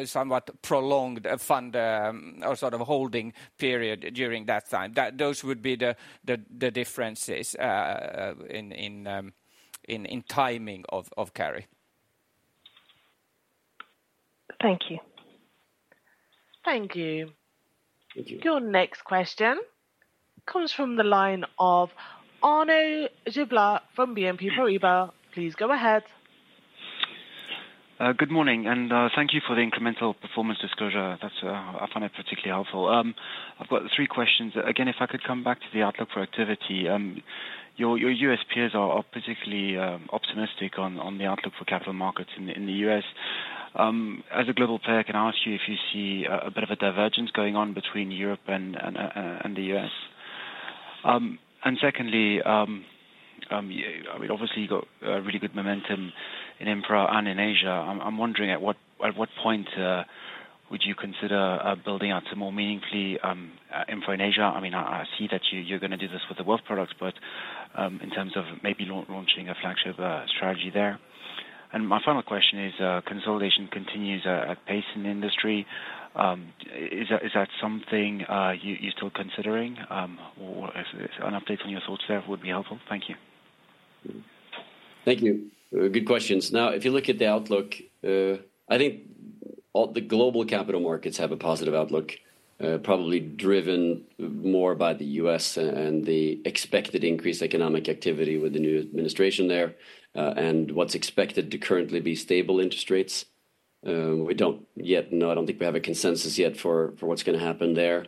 Speaker 4: somewhat prolonged fund or sort of holding period during that time. Those would be the differences in timing of carry.
Speaker 8: Thank you.
Speaker 5: Thank you. Your next question comes from the line of Arnaud Giblat from BNP Paribas. Please go ahead.
Speaker 9: Good morning, and thank you for the incremental performance disclosure. That's. I find it particularly helpful. I've got three questions. Again, if I could come back to the outlook for activity, your U.S. peers are particularly optimistic on the outlook for capital markets in the U.S. As a global player, can I ask you if you see a bit of a divergence going on between Europe and the U.S? And secondly, I mean, obviously you've got really good momentum in infra and in Asia. I'm wondering at what point would you consider building out more meaningfully infra in Asia? I mean, I see that you're going to do this with the wealth products, but in terms of maybe launching a flagship strategy there. My final question is, consolidation continues at pace in the industry. Is that something you're still considering? An update on your thoughts there would be helpful. Thank you.
Speaker 2: Thank you. Good questions. Now, if you look at the outlook, I think the global capital markets have a positive outlook, probably driven more by the U.S. and the expected increased economic activity with the new administration there and what's expected to currently be stable interest rates. We don't yet, no, I don't think we have a consensus yet for what's going to happen there.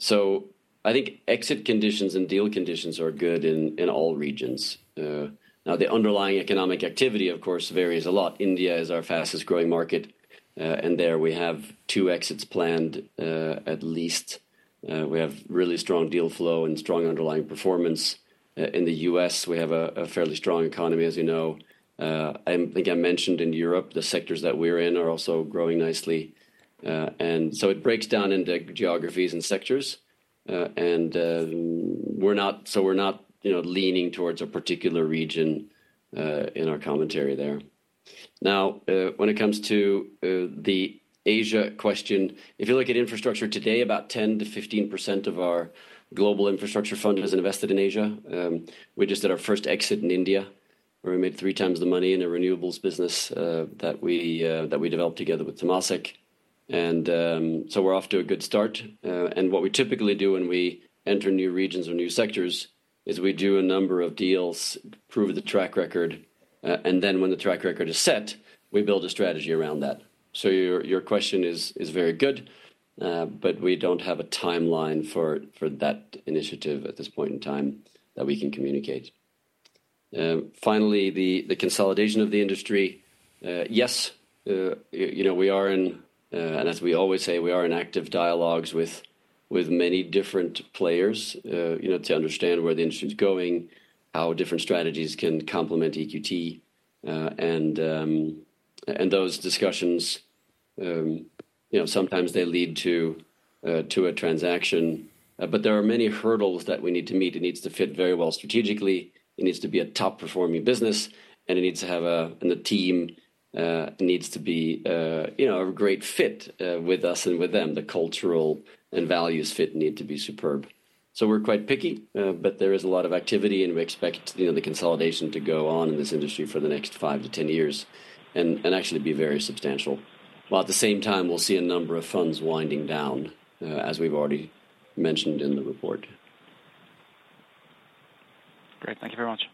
Speaker 2: So I think exit conditions and deal conditions are good in all regions. Now, the underlying economic activity, of course, varies a lot. India is our fastest growing market, and there we have two exits planned at least. We have really strong deal flow and strong underlying performance. In the U.S., we have a fairly strong economy, as you know. I think I mentioned in Europe, the sectors that we're in are also growing nicely. And so it breaks down into geographies and sectors. And so we're not leaning towards a particular region in our commentary there. Now, when it comes to the Asia question, if you look at infrastructure today, about 10%-15% of our global infrastructure fund is invested in Asia. We just did our first exit in India, where we made three times the money in a renewables business that we developed together with Temasek. And so we're off to a good start. And what we typically do when we enter new regions or new sectors is we do a number of deals, prove the track record, and then when the track record is set, we build a strategy around that. So your question is very good, but we don't have a timeline for that initiative at this point in time that we can communicate. Finally, the consolidation of the industry, yes, we are in, and as we always say, we are in active dialogues with many different players to understand where the industry is going, how different strategies can complement EQT. And those discussions, sometimes they lead to a transaction, but there are many hurdles that we need to meet. It needs to fit very well strategically. It needs to be a top-performing business, and it needs to have a team. It needs to be a great fit with us and with them. The cultural and values fit need to be superb. So we're quite picky, but there is a lot of activity, and we expect the consolidation to go on in this industry for the next five to 10 years and actually be very substantial. While at the same time, we'll see a number of funds winding down, as we've already mentioned in the report.
Speaker 9: Great, thank you very much.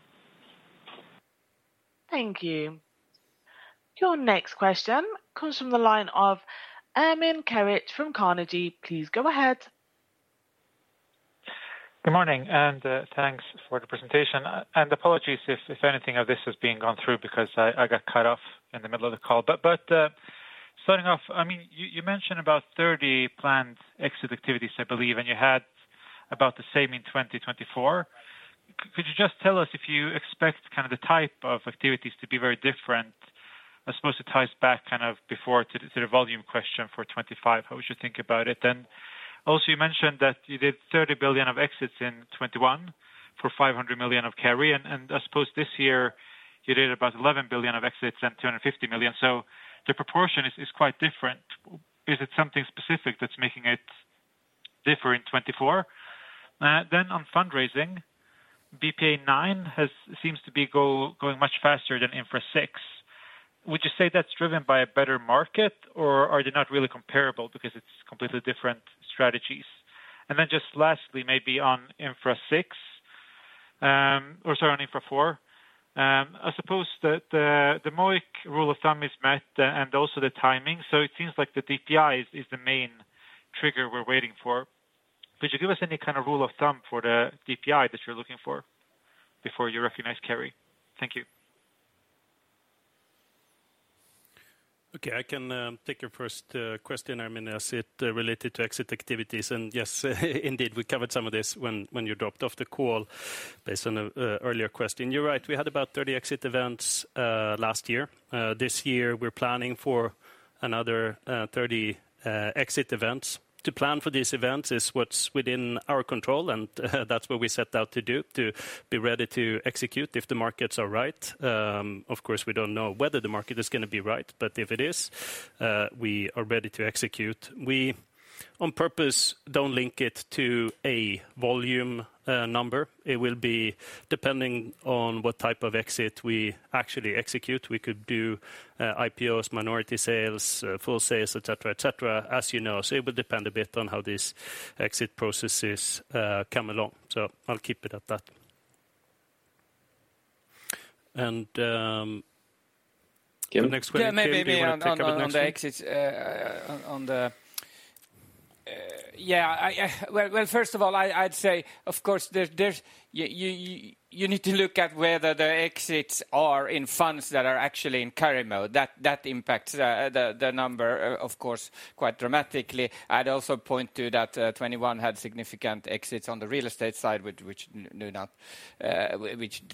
Speaker 5: Thank you. Your next question comes from the line of Ermin Keric from Carnegie. Please go ahead.
Speaker 10: Good morning, and thanks for the presentation. And apologies if anything of this has been gone through because I got cut off in the middle of the call. But starting off, I mean, you mentioned about 30 planned exit activities, I believe, and you had about the same in 2024. Could you just tell us if you expect kind of the type of activities to be very different? I suppose it ties back kind of before to the volume question for 2025. How would you think about it? And also, you mentioned that you did $30 billion of exits in 2021 for $500 million of carry. And I suppose this year you did about $11 billion of exits and $250 million. So the proportion is quite different. Is it something specific that's making it different in 2024? Then on fundraising, BPEA IX seems to be going much faster than Infra VI. Would you say that's driven by a better market, or are they not really comparable because it's completely different strategies? And then just lastly, maybe on Infra VI or sorry, on Infra IV, I suppose the MOIC rule of thumb is met and also the timing. So it seems like the DPI is the main trigger we're waiting for. Could you give us any kind of rule of thumb for the DPI that you're looking for before you recognize carry? Thank you.
Speaker 3: Okay, I can take your first question, Ermin, as it related to exit activities. And yes, indeed, we covered some of this when you dropped off the call based on the earlier question. You're right, we had about 30 exit events last year. This year, we're planning for another 30 exit events. To plan for these events is what's within our control, and that's what we set out to do, to be ready to execute if the markets are right. Of course, we don't know whether the market is going to be right, but if it is, we are ready to execute. We, on purpose, don't link it to a volume number. It will be depending on what type of exit we actually execute. We could do IPOs, minority sales, full sales, etc., etc., as you know. So it will depend a bit on how these exit processes come along. So I'll keep it at that.
Speaker 2: And next question.
Speaker 4: Yeah, maybe on the exits, on the yeah, well, first of all, I'd say, of course, you need to look at whether the exits are in funds that are actually in carry mode. That impacts the number, of course, quite dramatically. I'd also point to that 2021 had significant exits on the real estate side, which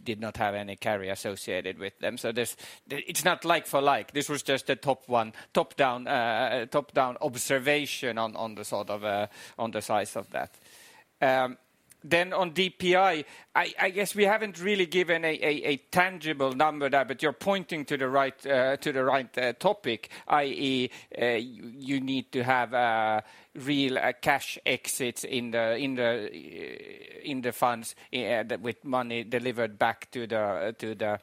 Speaker 4: did not have any carry associated with them. So it's not like for like. This was just a top-down observation on the sort of on the size of that. Then on DPI, I guess we haven't really given a tangible number there, but you're pointing to the right topic, i.e., you need to have real cash exits in the funds with money delivered back to the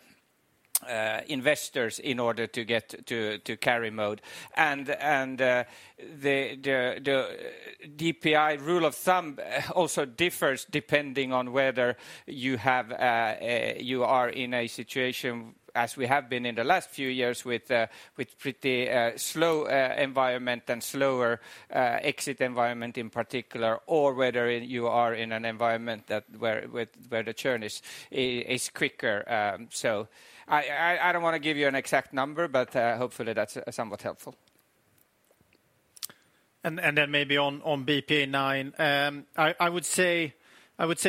Speaker 4: investors in order to get to carry mode. And the DPI rule of thumb also differs depending on whether you are in a situation, as we have been in the last few years, with a pretty slow environment and slower exit environment in particular, or whether you are in an environment where the churn is quicker. So I don't want to give you an exact number, but hopefully that's somewhat helpful.
Speaker 3: And then maybe on BPEA IX, I would say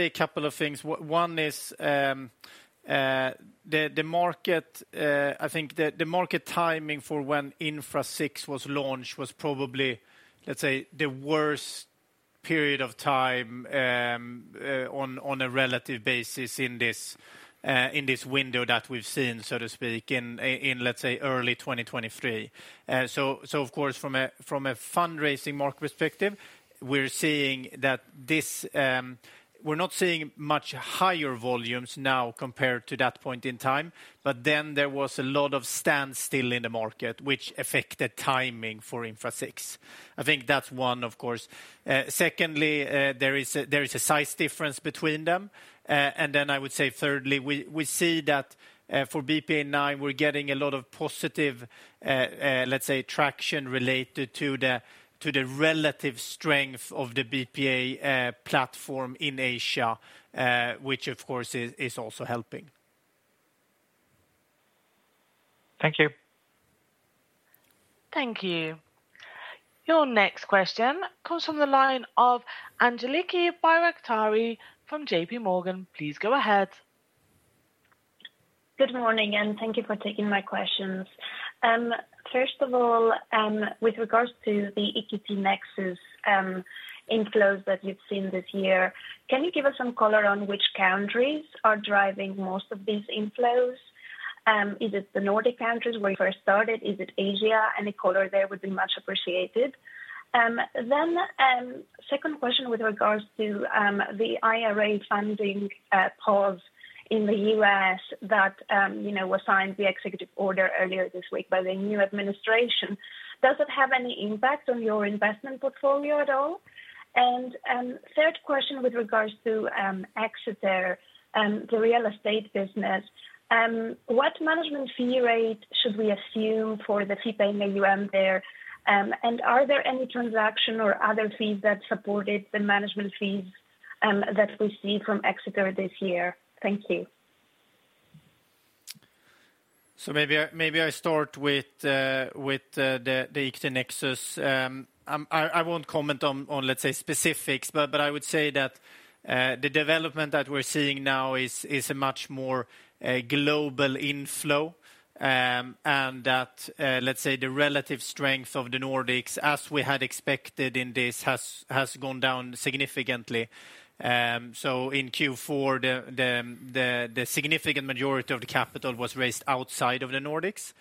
Speaker 3: a couple of things. One is the market. I think the market timing for when Infra VI was launched was probably, let's say, the worst period of time on a relative basis in this window that we've seen, so to speak, in, let's say, early 2023. So, of course, from a fundraising market perspective, we're seeing that this we're not seeing much higher volumes now compared to that point in time, but then there was a lot of standstill in the market, which affected timing for Infra VI. I think that's one, of course. Secondly, there is a size difference between them. And then I would say thirdly, we see that for BPEA IX, we're getting a lot of positive, let's say, traction related to the relative strength of the BPEA platform in Asia, which, of course, is also helping.
Speaker 10: Thank you.
Speaker 5: Thank you. Your next question comes from the line of Angeliki Bairaktari from JPMorgan. Please go ahead.
Speaker 11: Good morning, and thank you for taking my questions. First of all, with regards to the EQT Nexus inflows that you've seen this year, can you give us some color on which countries are driving most of these inflows? Is it the Nordic countries where you first started? Is it Asia? Any color there would be much appreciated. Then second question with regards to the IRA funding pause in the U.S. that was signed, the executive order, earlier this week by the new administration. Does it have any impact on your investment portfolio at all? And third question with regards to Exeter, the real estate business, what management fee rate should we assume for the fee-paying AUM there? And are there any transactions or other fees that supported the management fees that we see from Exeter this year? Thank you.
Speaker 4: So maybe I start with the EQT Nexus. I won't comment on, let's say, specifics, but I would say that the development that we're seeing now is a much more global inflow and that, let's say, the relative strength of the Nordics, as we had expected in this, has gone down significantly. So in Q4, the significant majority of the capital was raised outside of the Nordics.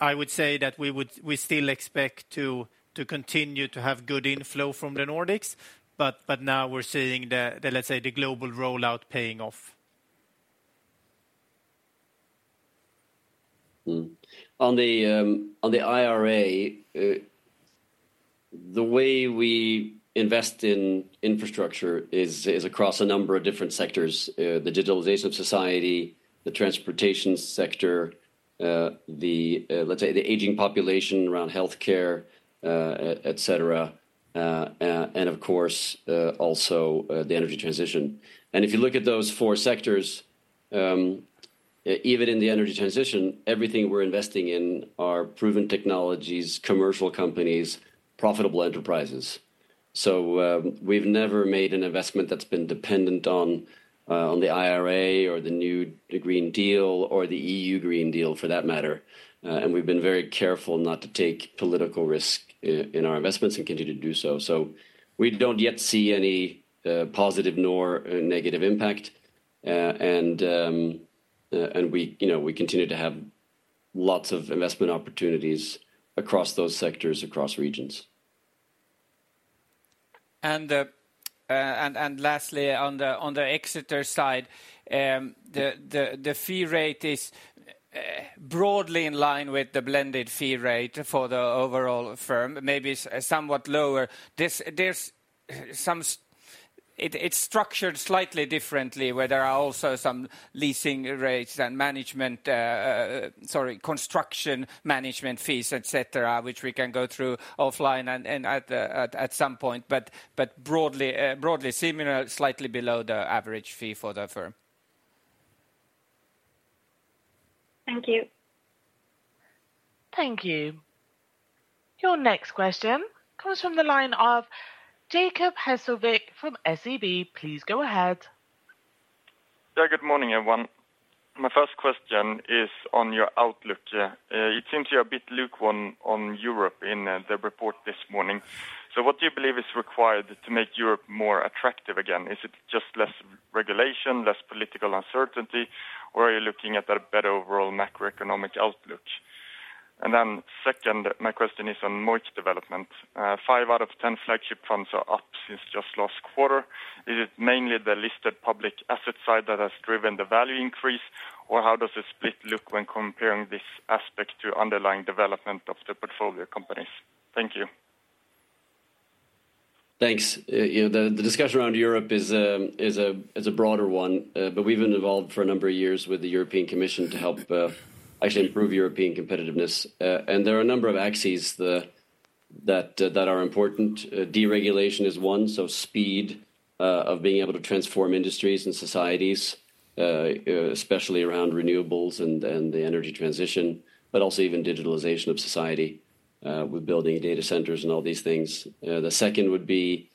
Speaker 4: I would say that we still expect to continue to have good inflow from the Nordics, but now we're seeing the, let's say, the global rollout paying off.
Speaker 2: On the IRA, the way we invest in infrastructure is across a number of different sectors: the digitalization of society, the transportation sector, the, let's say, the aging population around healthcare, etc., and of course, also the energy transition. If you look at those four sectors, even in the energy transition, everything we're investing in are proven technologies, commercial companies, profitable enterprises. We've never made an investment that's been dependent on the IRA or the new Green Deal or the EU Green Deal for that matter. We've been very careful not to take political risk in our investments and continue to do so. We don't yet see any positive nor negative impact. We continue to have lots of investment opportunities across those sectors, across regions.
Speaker 4: Lastly, on the Exeter side, the fee rate is broadly in line with the blended fee rate for the overall firm, maybe somewhat lower. It's structured slightly differently, where there are also some leasing rates and management, sorry, construction management fees, etc., which we can go through offline and at some point, but broadly similar, slightly below the average fee for the firm.
Speaker 11: Thank you.
Speaker 5: Thank you. Your next question comes from the line of Jacob Hesslevik from SEB. Please go ahead.
Speaker 12: Good morning, everyone. My first question is on your outlook. It seems you're a bit lukewarm on Europe in the report this morning. So what do you believe is required to make Europe more attractive again? Is it just less regulation, less political uncertainty, or are you looking at a better overall macroeconomic outlook? And then second, my question is on MOIC development. Five out of 10 flagship funds are up since just last quarter. Is it mainly the listed public asset side that has driven the value increase, or how does the split look when comparing this aspect to underlying development of the portfolio companies? Thank you.
Speaker 2: Thanks. The discussion around Europe is a broader one, but we've been involved for a number of years with the European Commission to help actually improve European competitiveness, and there are a number of axes that are important. Deregulation is one, so speed of being able to transform industries and societies, especially around renewables and the energy transition, but also even digitalization of society with building data centers and all these things. The second would be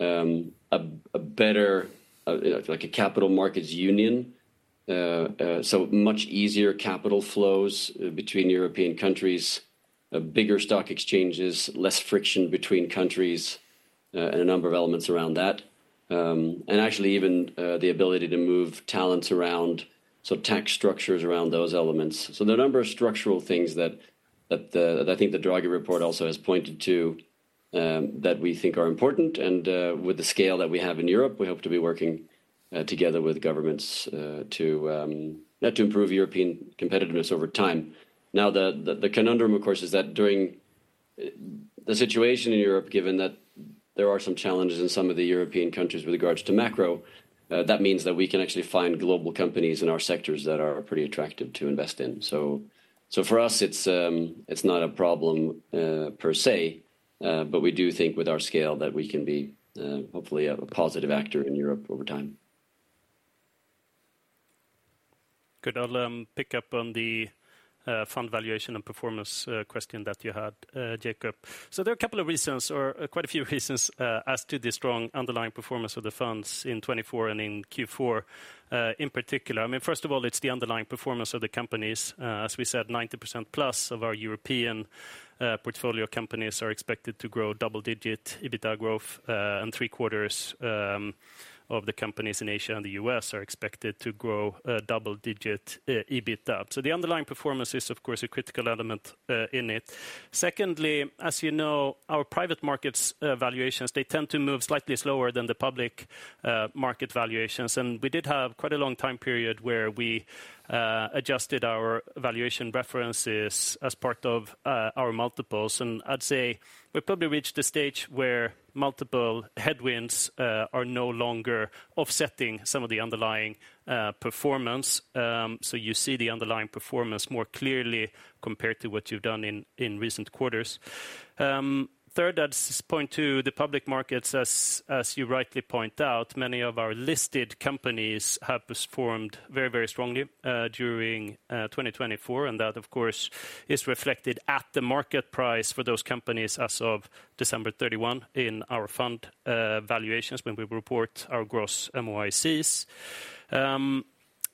Speaker 2: a better, like a Capital Markets Union, so much easier capital flows between European countries, bigger stock exchanges, less friction between countries, and a number of elements around that. And actually, even the ability to move talents around, so tax structures around those elements, so there are a number of structural things that I think the Draghi report also has pointed to that we think are important, and with the scale that we have in Europe, we hope to be working together with governments to improve European competitiveness over time. Now, the conundrum, of course, is that during the situation in Europe, given that there are some challenges in some of the European countries with regards to macro, that means that we can actually find global companies in our sectors that are pretty attractive to invest in, so for us, it's not a problem per se, but we do think with our scale that we can be hopefully a positive actor in Europe over time.
Speaker 3: Good. I'll pick up on the fund valuation and performance question that you had, Jacob. So there are a couple of reasons, or quite a few reasons, as to the strong underlying performance of the funds in 2024 and in Q4 in particular. I mean, first of all, it's the underlying performance of the companies. As we said, 90% plus of our European portfolio companies are expected to grow double-digit EBITDA growth, and three-quarters of the companies in Asia and the U.S. are expected to grow double-digit EBITDA. So the underlying performance is, of course, a critical element in it. Secondly, as you know, our private markets valuations, they tend to move slightly slower than the public market valuations. And we did have quite a long time period where we adjusted our valuation references as part of our multiples. I'd say we've probably reached the stage where multiple headwinds are no longer offsetting some of the underlying performance. You see the underlying performance more clearly compared to what you've done in recent quarters. Third, I'd point to the public markets, as you rightly point out, many of our listed companies have performed very, very strongly during 2024. That, of course, is reflected at the market price for those companies as of December 31 in our fund valuations when we report our gross MOICs.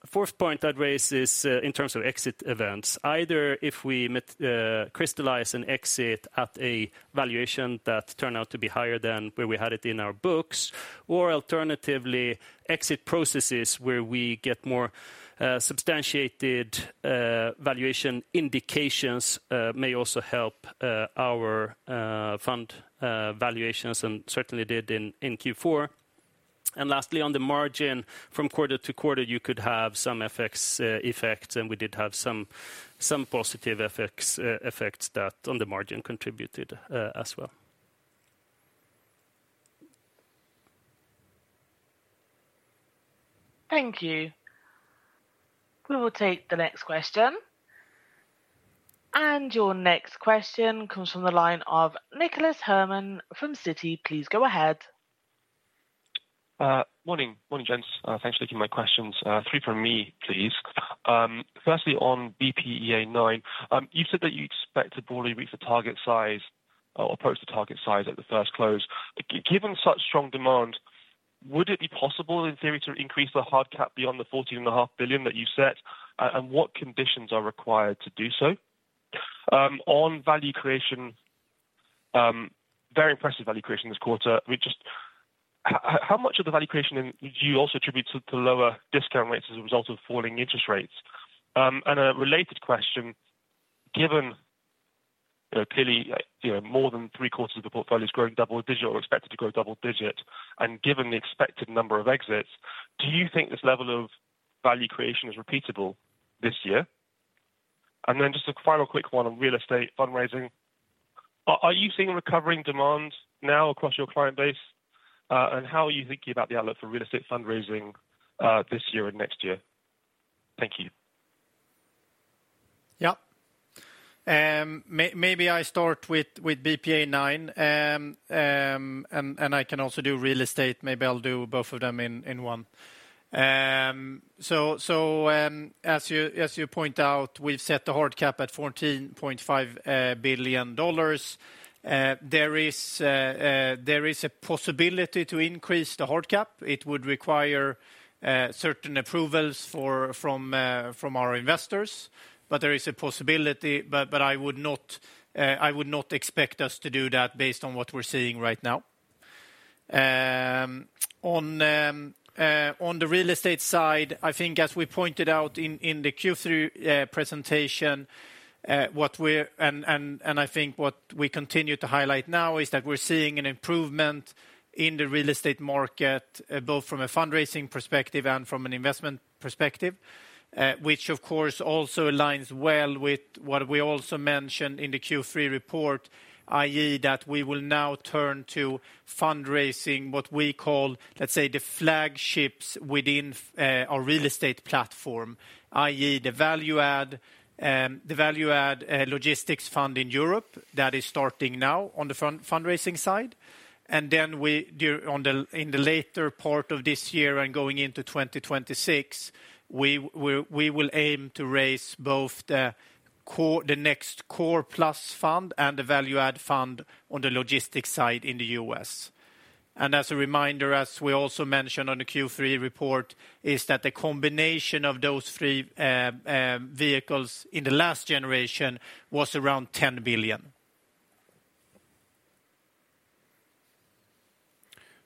Speaker 3: Fourth point I'd raise is in terms of exit events, either if we crystallize an exit at a valuation that turned out to be higher than where we had it in our books, or alternatively, exit processes where we get more substantiated valuation indications may also help our fund valuations, and certainly did in Q4. And lastly, on the margin, from quarter to quarter, you could have some effects, and we did have some positive effects that on the margin contributed as well.
Speaker 5: Thank you. We will take the next question. And your next question comes from the line of Nicholas Herman from Citi. Please go ahead.
Speaker 13: Morning, gents. Thanks for taking my questions. Three from me, please. Firstly, on BPEA IX, you said that you expect to broadly reach the target size or approach the target size at the first close. Given such strong demand, would it be possible, in theory, to increase the hard cap beyond the $14.5 billion that you've set? And what conditions are required to do so? On value creation, very impressive value creation this quarter. How much of the value creation do you also attribute to lower discount rates as a result of falling interest rates? And a related question, given clearly more than three-quarters of the portfolios growing double digit or expected to grow double digit, and given the expected number of exits, do you think this level of value creation is repeatable this year? And then just a final quick one on real estate fundraising. Are you seeing recovering demand now across your client base? And how are you thinking about the outlook for real estate fundraising this year and next year? Thank you.
Speaker 4: Yep. Maybe I start with BPEA IX, and I can also do real estate. Maybe I'll do both of them in one. So as you point out, we've set the hard cap at $14.5 billion. There is a possibility to increase the hard cap. It would require certain approvals from our investors, but there is a possibility, but I would not expect us to do that based on what we're seeing right now. On the real estate side, I think as we pointed out in the Q3 presentation, and I think what we continue to highlight now is that we're seeing an improvement in the real estate market, both from a fundraising perspective and from an investment perspective, which, of course, also aligns well with what we also mentioned in the Q3 report, i.e., that we will now turn to fundraising what we call, let's say, the flagships within our real estate platform, i.e., the value-add logistics fund in Europe that is starting now on the fundraising side. Then in the later part of this year and going into 2026, we will aim to raise both the next core plus fund and the value-add fund on the logistics side in the U.S. And as a reminder, as we also mentioned on the Q3 report, is that the combination of those three vehicles in the last generation was around $10 billion.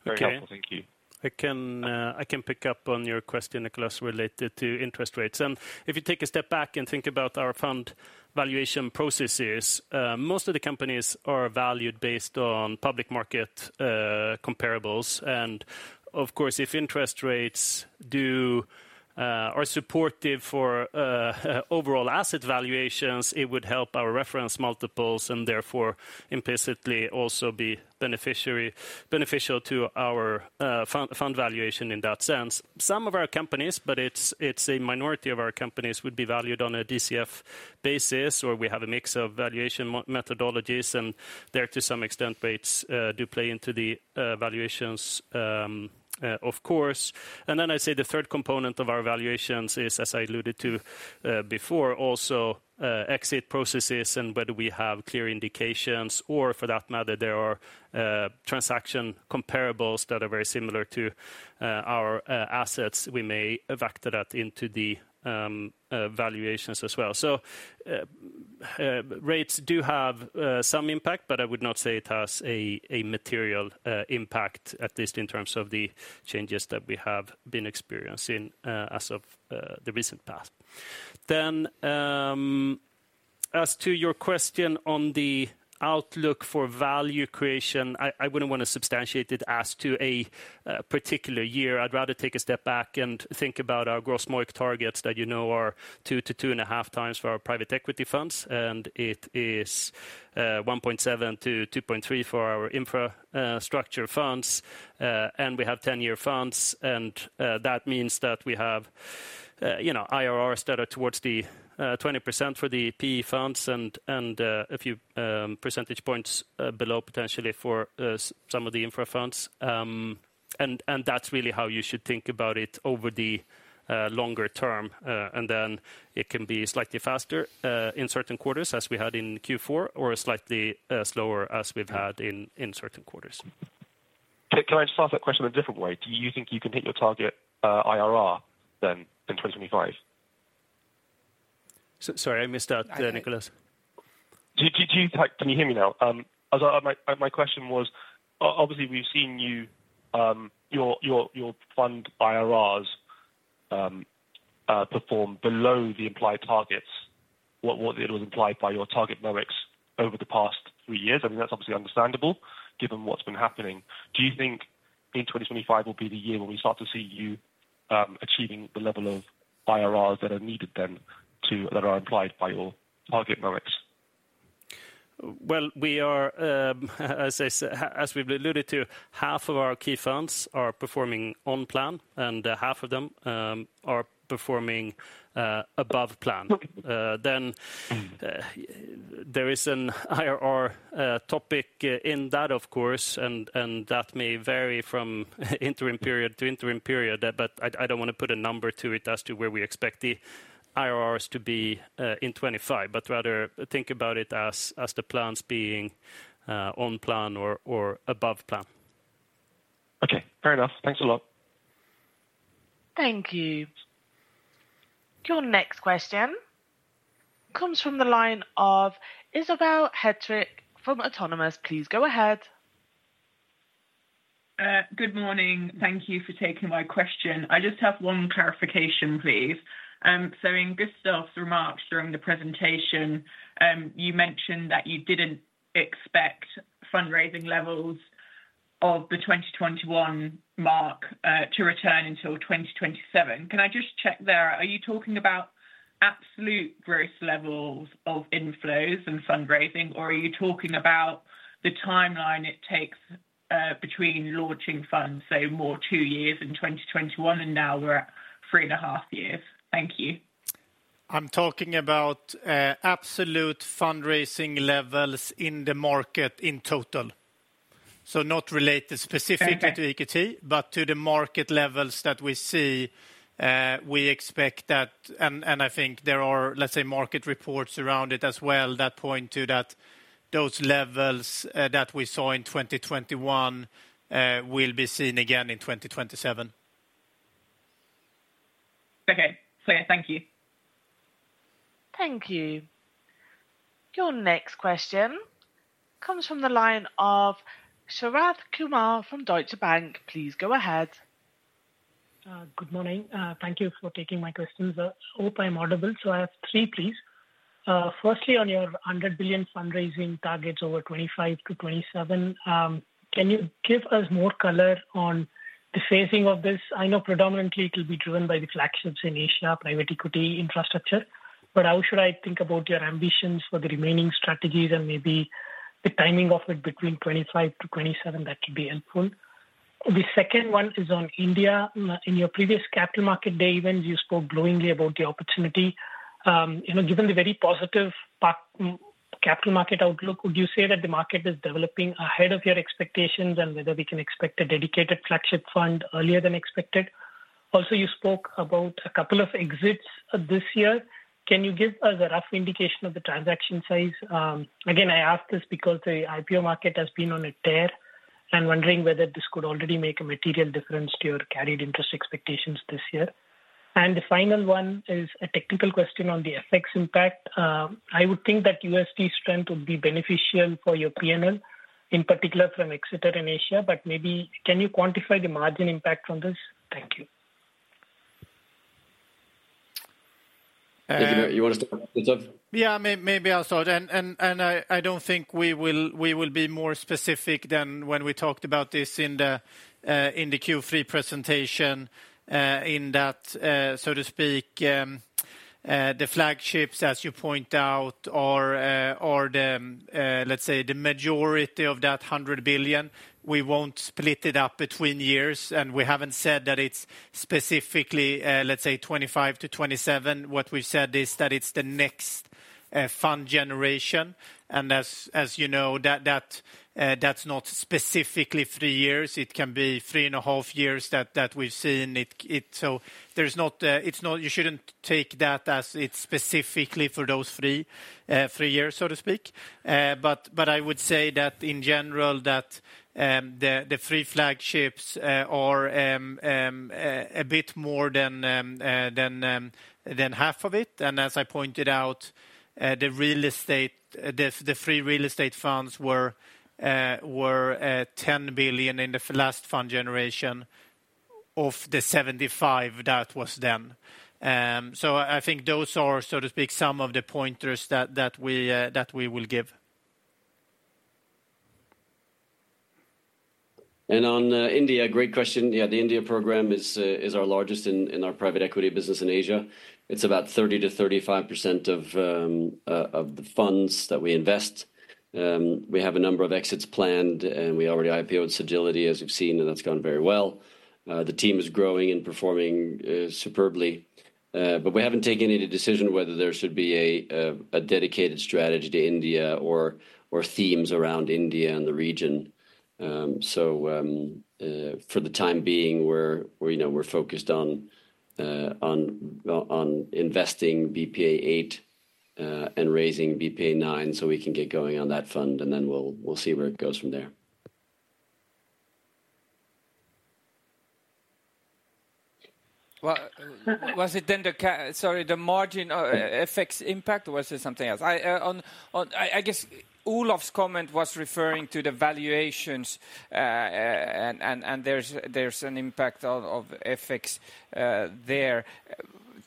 Speaker 13: Very helpful. Thank you.
Speaker 3: I can pick up on your question, Nicholas, related to interest rates. And if you take a step back and think about our fund valuation processes, most of the companies are valued based on public market comparables. And of course, if interest rates are supportive for overall asset valuations, it would help our reference multiples and therefore implicitly also be beneficial to our fund valuation in that sense. Some of our companies, but it's a minority of our companies, would be valued on a DCF basis, or we have a mix of valuation methodologies, and there, to some extent, rates do play into the valuations, of course, and then I'd say the third component of our valuations is, as I alluded to before, also exit processes and whether we have clear indications or, for that matter, there are transaction comparables that are very similar to our assets, we may factor that into the valuations as well, so rates do have some impact, but I would not say it has a material impact, at least in terms of the changes that we have been experiencing as of the recent past, then as to your question on the outlook for value creation, I wouldn't want to substantiate it as to a particular year. I'd rather take a step back and think about our gross MOIC targets that are two to two and a half times for our private equity funds, and it is 1.7 to 2.3 for our infrastructure funds. And we have 10-year funds, and that means that we have IRRs that are towards the 20% for the PE funds and a few percentage points below potentially for some of the infra funds. And that's really how you should think about it over the longer term. And then it can be slightly faster in certain quarters as we had in Q4 or slightly slower as we've had in certain quarters.
Speaker 13: Can I just ask that question in a different way? Do you think you can hit your target IRR then in 2025?
Speaker 3: Sorry, I missed out, Nicholas.
Speaker 13: Can you hear me now? My question was, obviously, we've seen your fund IRRs perform below the implied targets, what was implied by your target MOICs over the past three years. I mean, that's obviously understandable given what's been happening. Do you think in 2025 will be the year when we start to see you achieving the level of IRRs that are needed then that are implied by your target MOICs?
Speaker 3: Well, as we've alluded to, half of our key funds are performing on plan, and half of them are performing above plan. Then there is an IRR topic in that, of course, and that may vary from interim period to interim period, but I don't want to put a number to it as to where we expect the IRRs to be in 2025, but rather think about it as the plans being on plan or above plan.
Speaker 13: Okay, fair enough. Thanks a lot.
Speaker 5: Thank you. Your next question comes from the line of Isobel Hettrick from Autonomous. Please go ahead.
Speaker 14: Good morning. Thank you for taking my question. I just have one clarification, please. So in Gustav's remarks during the presentation, you mentioned that you didn't expect fundraising levels of the 2021 mark to return until 2027. Can I just check there? Are you talking about absolute gross levels of inflows and fundraising, or are you talking about the timeline it takes between launching funds, say, more two years in 2021, and now we're at three and a half years? Thank you.
Speaker 3: I'm talking about absolute fundraising levels in the market in total. So not related specifically to equity, but to the market levels that we see, we expect that, and I think there are, let's say, market reports around it as well that point to those levels that we saw in 2021 will be seen again in 2027.
Speaker 14: Okay. Thank you.
Speaker 5: Thank you. Your next question comes from the line of Sharath Kumar from Deutsche Bank. Please go ahead.
Speaker 15: Good morning. Thank you for taking my questions. I hope I'm audible. So I have three, please. Firstly, on your $100 billion fundraising targets over 2025 to 2027, can you give us more color on the phasing of this? I know predominantly it will be driven by the flagships in Asia, private equity infrastructure, but how should I think about your ambitions for the remaining strategies and maybe the timing of it between 2025 to 2027? That could be helpful. The second one is on India. In your previous capital market day events, you spoke glowingly about the opportunity. Given the very positive capital market outlook, would you say that the market is developing ahead of your expectations and whether we can expect a dedicated flagship fund earlier than expected? Also, you spoke about a couple of exits this year. Can you give us a rough indication of the transaction size? Again, I ask this because the IPO market has been on a tear, and wondering whether this could already make a material difference to your carried interest expectations this year. And the final one is a technical question on the FX impact. I would think that USD strength would be beneficial for your P&L, in particular from Exeter in Asia, but maybe can you quantify the margin impact on this? Thank you.
Speaker 2: You want to start, Gustav?
Speaker 3: Yeah, maybe I'll start. And I don't think we will be more specific than when we talked about this in the Q3 presentation, in that, so to speak, the flagships, as you point out, are, let's say, the majority of that 100 billion. We won't split it up between years, and we haven't said that it's specifically, let's say, 2025 to 2027. What we've said is that it's the next fund generation. And as you know, that's not specifically three years. It can be three and a half years that we've seen it. So you shouldn't take that as it's specifically for those three years, so to speak. But I would say that in general, that the three flagships are a bit more than half of it. As I pointed out, the EQT real estate funds were $10 billion in the last fund generation of the 7.5 that was then. So I think those are, so to speak, some of the pointers that we will give.
Speaker 1: On India, great question. Yeah, the India program is our largest in our private equity business in Asia. It's about 30%-35% of the funds that we invest. We have a number of exits planned, and we already IPOed Sagility, as you've seen, and that's gone very well. The team is growing and performing superbly. But we haven't taken any decision whether there should be a dedicated strategy to India or themes around India and the region. So for the time being, we're focused on investing BPEA VIII and raising BPEA IX so we can get going on that fund, and then we'll see where it goes from there.
Speaker 4: Was it then the, sorry, the margin effects impact or was it something else? I guess Olof's comment was referring to the valuations, and there's an impact of effects there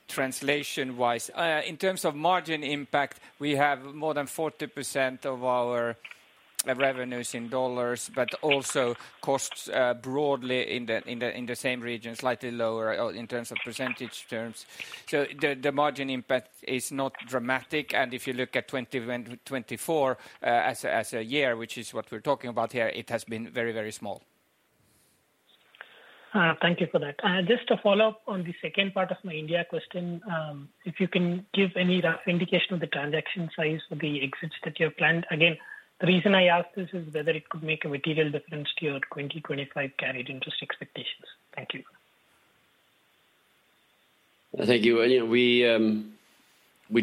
Speaker 4: translation-wise. In terms of margin impact, we have more than 40% of our revenues in dollars, but also costs broadly in the same region, slightly lower in terms of percentage terms. So the margin impact is not dramatic, and if you look at 2024 as a year, which is what we're talking about here, it has been very, very small.
Speaker 15: Thank you for that. Just to follow up on the second part of my India question, if you can give any rough indication of the transaction size for the exits that you have planned? Again, the reason I ask this is whether it could make a material difference to your 2025 carried interest expectations. Thank you.
Speaker 2: Thank you. We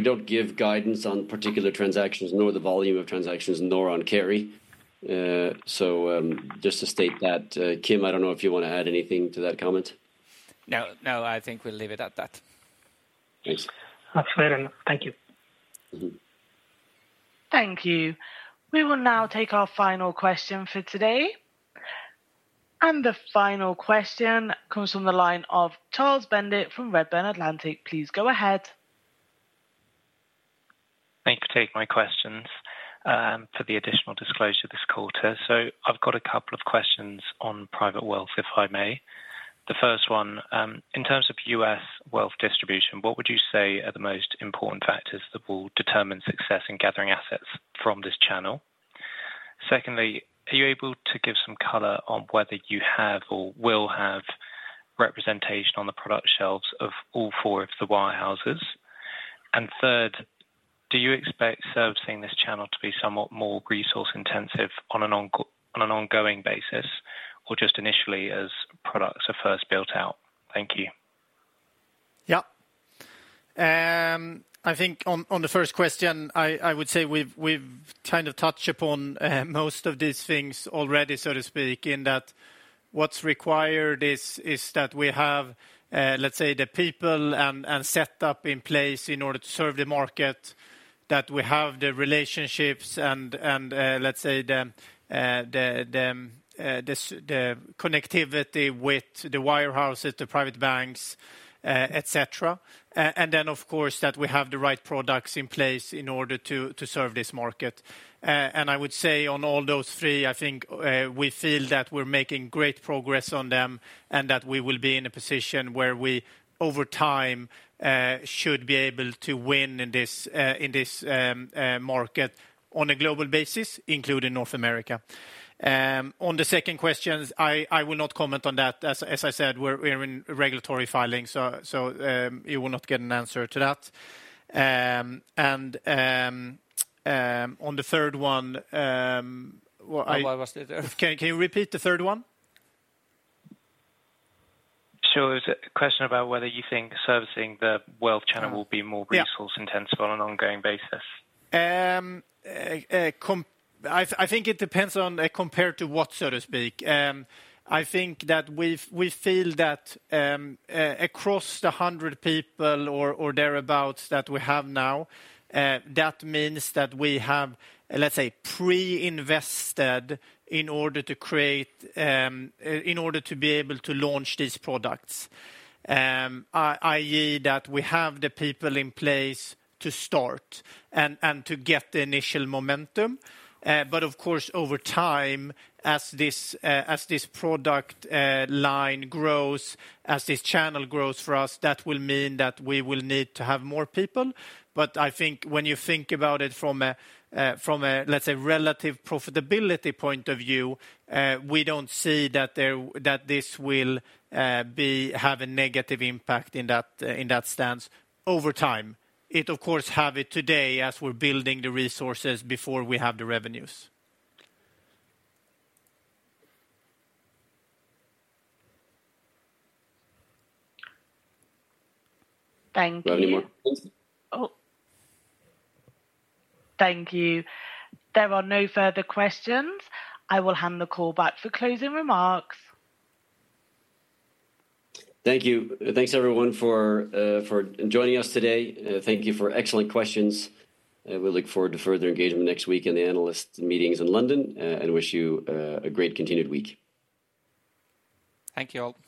Speaker 2: don't give guidance on particular transactions, nor the volume of transactions, nor on carry. So just to state that, Kim, I don't know if you want to add anything to that comment.
Speaker 4: No, I think we'll leave it at that.
Speaker 15: Thanks. That's fair enough. Thank you.
Speaker 5: Thank you. We will now take our final question for today, and the final question comes from the line of Charles Bendit from Redburn Atlantic. Please go ahead.
Speaker 16: Thanks for taking my questions for the additional disclosure this quarter. So I've got a couple of questions on private wealth, if I may. The first one, in terms of U.S. wealth distribution, what would you say are the most important factors that will determine success in gathering assets from this channel? Secondly, are you able to give some color on whether you have or will have representation on the product shelves of all four of the wirehouses? And third, do you expect servicing this channel to be somewhat more resource-intensive on an ongoing basis or just initially as products are first built out? Thank you.
Speaker 4: Yep. I think on the first question, I would say we've kind of touched upon most of these things already, so to speak, in that what's required is that we have, let's say, the people and setup in place in order to serve the market, that we have the relationships and, let's say, the connectivity with the wirehouses, the private banks, etc. And then, of course, that we have the right products in place in order to serve this market. I would say on all those three, I think we feel that we're making great progress on them and that we will be in a position where we, over time, should be able to win in this market on a global basis, including North America. On the second question, I will not comment on that. As I said, we're in regulatory filing, so you will not get an answer to that. On the third one, can you repeat the third one?
Speaker 16: It's a question about whether you think servicing the wealth channel will be more resource-intensive on an ongoing basis.
Speaker 4: I think it depends on compared to what, so to speak. I think that we feel that across the 100 people or thereabouts that we have now, that means that we have, let's say, pre-invested in order to create, in order to be able to launch these products, i.e., that we have the people in place to start and to get the initial momentum. But of course, over time, as this product line grows, as this channel grows for us, that will mean that we will need to have more people. But I think when you think about it from a, let's say, relative profitability point of view, we don't see that this will have a negative impact in that stance over time. It, of course, have it today as we're building the resources before we have the revenues.
Speaker 5: Thank you. Thank you. There are no further questions. I will hand the call back for closing remarks.
Speaker 2: Thank you. Thanks, everyone, for joining us today. Thank you for excellent questions. We look forward to further engagement next week in the analyst meetings in London and wish you a great continued week.
Speaker 1: Thank you all.